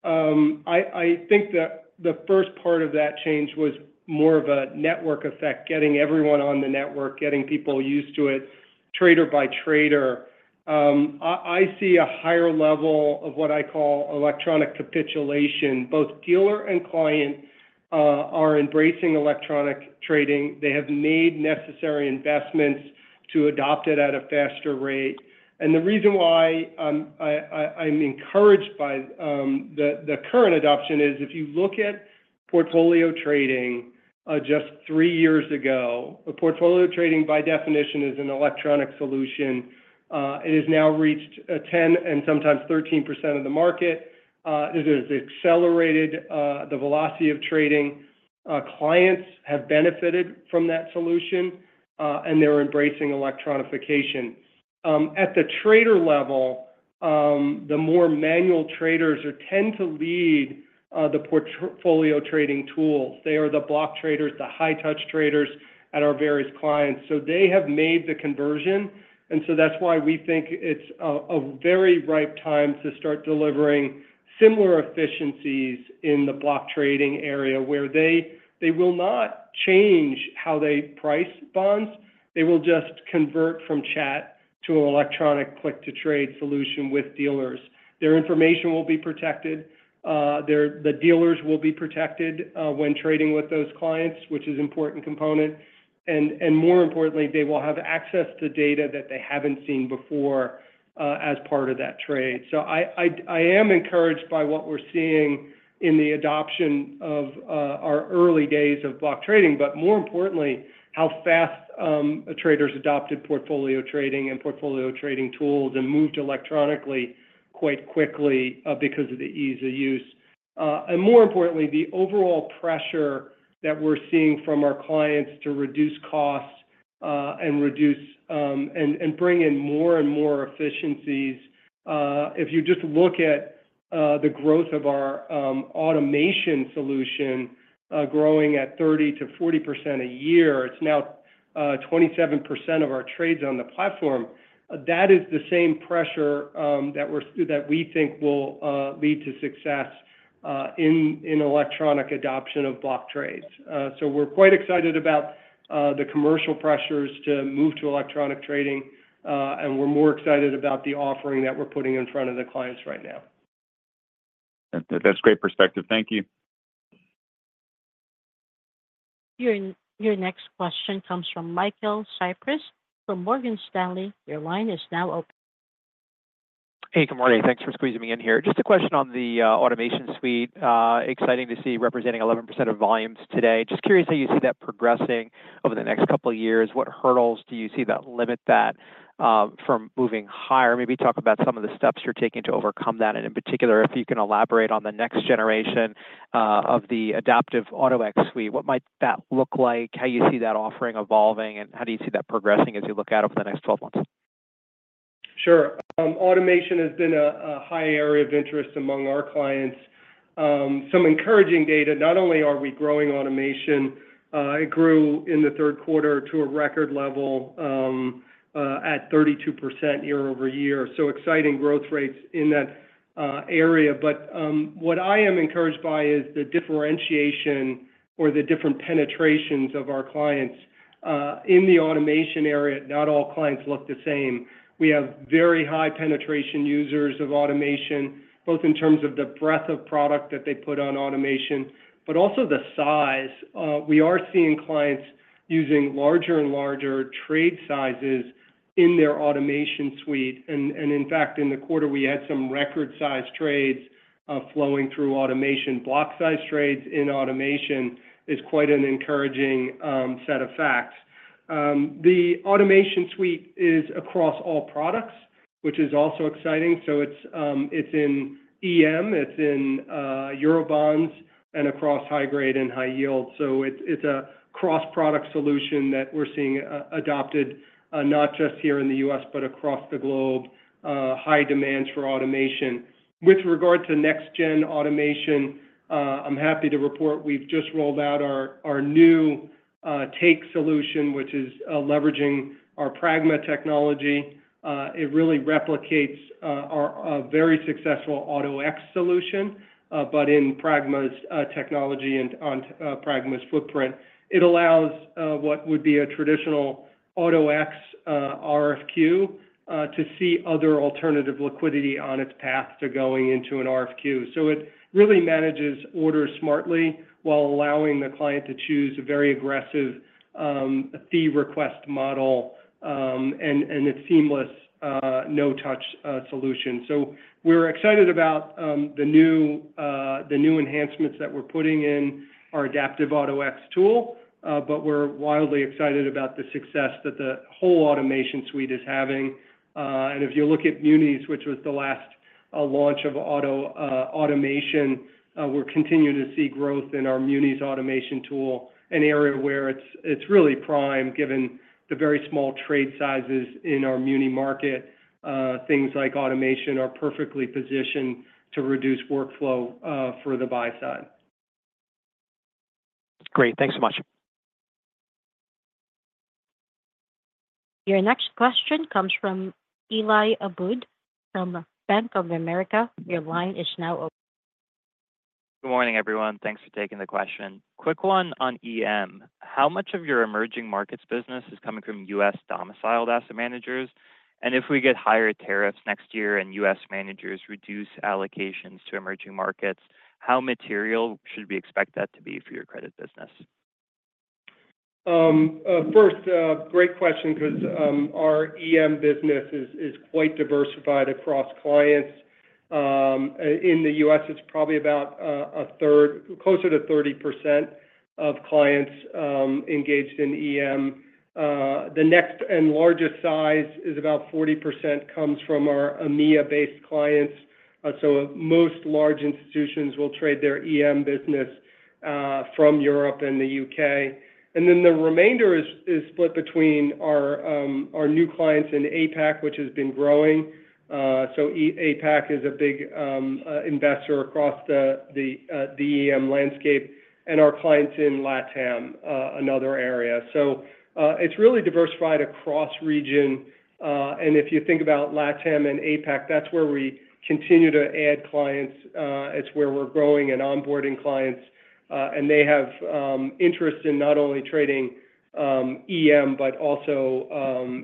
I think that the first part of that change was more of a network effect, getting everyone on the network, getting people used to it trader by trader. I see a higher level of what I call electronic capitulation. Both dealer and client are embracing electronic trading. They have made necessary investments to adopt it at a faster rate. And the reason why I'm encouraged by the current adoption is if you look at portfolio trading just three years ago, portfolio trading by definition is an electronic solution. It has now reached 10% and sometimes 13% of the market. It has accelerated the velocity of trading. Clients have benefited from that solution, and they're embracing electronification. At the trader level, the more manual traders tend to lead the portfolio trading tools. They are the block traders, the high-touch traders at our various clients. So they have made the conversion, and so that's why we think it's a very ripe time to start delivering similar efficiencies in the block trading area where they will not change how they price bonds. They will just convert from chat to an electronic click-to-trade solution with dealers. Their information will be protected. The dealers will be protected when trading with those clients, which is an important component, and more importantly, they will have access to data that they haven't seen before as part of that trade. I am encouraged by what we're seeing in the adoption of our early days of block trading, but more importantly, how fast traders adopted portfolio trading and portfolio trading tools and moved electronically quite quickly because of the ease of use. And more importantly, the overall pressure that we're seeing from our clients to reduce costs and bring in more and more efficiencies. If you just look at the growth of our automation solution growing at 30%-40% a year, it's now 27% of our trades on the platform. That is the same pressure that we think will lead to success in electronic adoption of block trades. So we're quite excited about the commercial pressures to move to electronic trading, and we're more excited about the offering that we're putting in front of the clients right now. That's great perspective. Thank you. Your next question comes from Michael Cyprys from Morgan Stanley. Your line is now open. Hey, good morning. Thanks for squeezing me in here. Just a question on the automation suite. Exciting to see representing 11% of volumes today. Just curious how you see that progressing over the next couple of years. What hurdles do you see that limit that from moving higher? Maybe talk about some of the steps you're taking to overcome that. And in particular, if you can elaborate on the next generation of the Adaptive Auto-X suite, what might that look like? How do you see that offering evolving, and how do you see that progressing as you look at it over the next 12 months? Sure. Automation has been a high area of interest among our clients. Some encouraging data. Not only are we growing automation, it grew in the third quarter to a record level at 32% year-over-year. So exciting growth rates in that area. But what I am encouraged by is the differentiation or the different penetrations of our clients. In the automation area, not all clients look the same. We have very high penetration users of automation, both in terms of the breadth of product that they put on automation, but also the size. We are seeing clients using larger and larger trade sizes in their automation suite. And in fact, in the quarter, we had some record-sized trades flowing through automation. Block-sized trades in automation is quite an encouraging set of facts. The automation suite is across all products, which is also exciting. So it's in EM, it's in Eurobonds, and across high-grade and high-yield. So it's a cross-product solution that we're seeing adopted not just here in the U.S., but across the globe. High demands for automation. With regard to next-gen automation, I'm happy to report we've just rolled out our new Taker solution, which is leveraging our Pragma technology. It really replicates a very successful Auto-X solution, but in Pragma's technology and on Pragma's footprint. It allows what would be a traditional Auto-X RFQ to see other alternative liquidity on its path to going into an RFQ. So it really manages orders smartly while allowing the client to choose a very aggressive fee request model, and it's seamless, no-touch solution. So we're excited about the new enhancements that we're putting in our Adaptive Auto-X tool, but we're wildly excited about the success that the whole automation suite is having. If you look at Munis, which was the last launch of auto automation, we're continuing to see growth in our Munis automation tool, an area where it's really prime given the very small trade sizes in our muni market. Things like automation are perfectly positioned to reduce workflow for the buy side. Great. Thanks so much. Your next question comes from Eli Abboud from Bank of America. Your line is now open. Good morning, everyone. Thanks for taking the question. Quick one on EM. How much of your emerging markets business is coming from U.S. domiciled asset managers? And if we get higher tariffs next year and U.S. managers reduce allocations to emerging markets, how material should we expect that to be for your credit business? First, great question because our EM business is quite diversified across clients. In the U.S., it's probably about a third, closer to 30% of clients engaged in EM. The next and largest size is about 40% comes from our EMEA-based clients. So most large institutions will trade their EM business from Europe and the U.K. And then the remainder is split between our new clients in APAC, which has been growing. So APAC is a big investor across the EM landscape, and our clients in LATAM, another area. So it's really diversified across region. And if you think about LATAM and APAC, that's where we continue to add clients. It's where we're growing and onboarding clients. And they have interest in not only trading EM, but also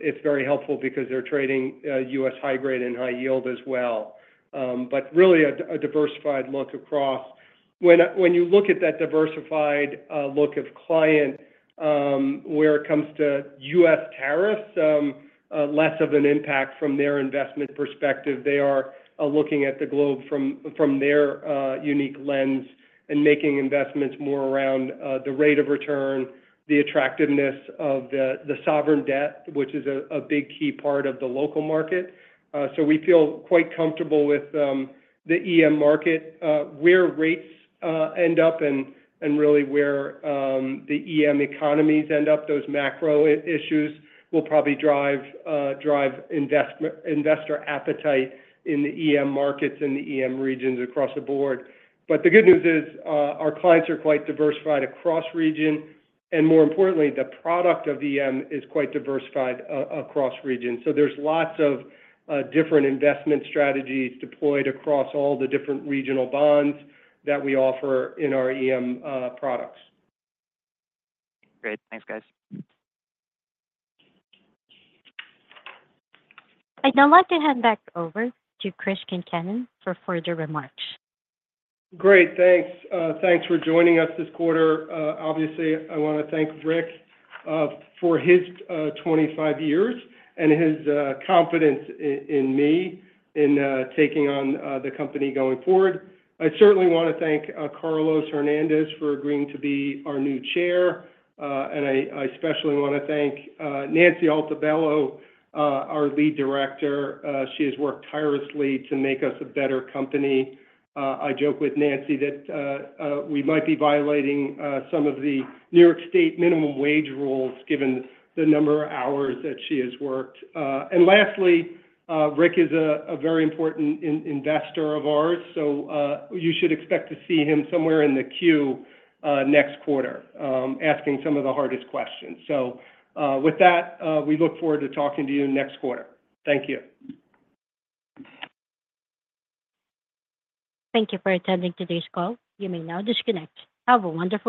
it's very helpful because they're trading U.S. high-grade and high-yield as well. But really a diversified look across. When you look at that diversified look of client, where it comes to U.S. tariffs, less of an impact from their investment perspective. They are looking at the globe from their unique lens and making investments more around the rate of return, the attractiveness of the sovereign debt, which is a big key part of the local market. So we feel quite comfortable with the EM market, where rates end up, and really where the EM economies end up. Those macro issues will probably drive investor appetite in the EM markets and the EM regions across the board. But the good news is our clients are quite diversified across region. And more importantly, the product of EM is quite diversified across region. So there's lots of different investment strategies deployed across all the different regional bonds that we offer in our EM products. Great. Thanks, guys. I'd now like to hand back over to Chris Concannon for further remarks. Great. Thanks. Thanks for joining us this quarter. Obviously, I want to thank Rick for his 25 years and his confidence in me in taking on the company going forward. I certainly want to thank Carlos Hernandez for agreeing to be our new chair. And I especially want to thank Nancy Altobello, our lead director. She has worked tirelessly to make us a better company. I joke with Nancy that we might be violating some of the New York State minimum wage rules given the number of hours that she has worked. And lastly, Rick is a very important investor of ours. So you should expect to see him somewhere in the queue next quarter asking some of the hardest questions. So with that, we look forward to talking to you next quarter. Thank you. Thank you for attending today's call. You may now disconnect. Have a wonderful day.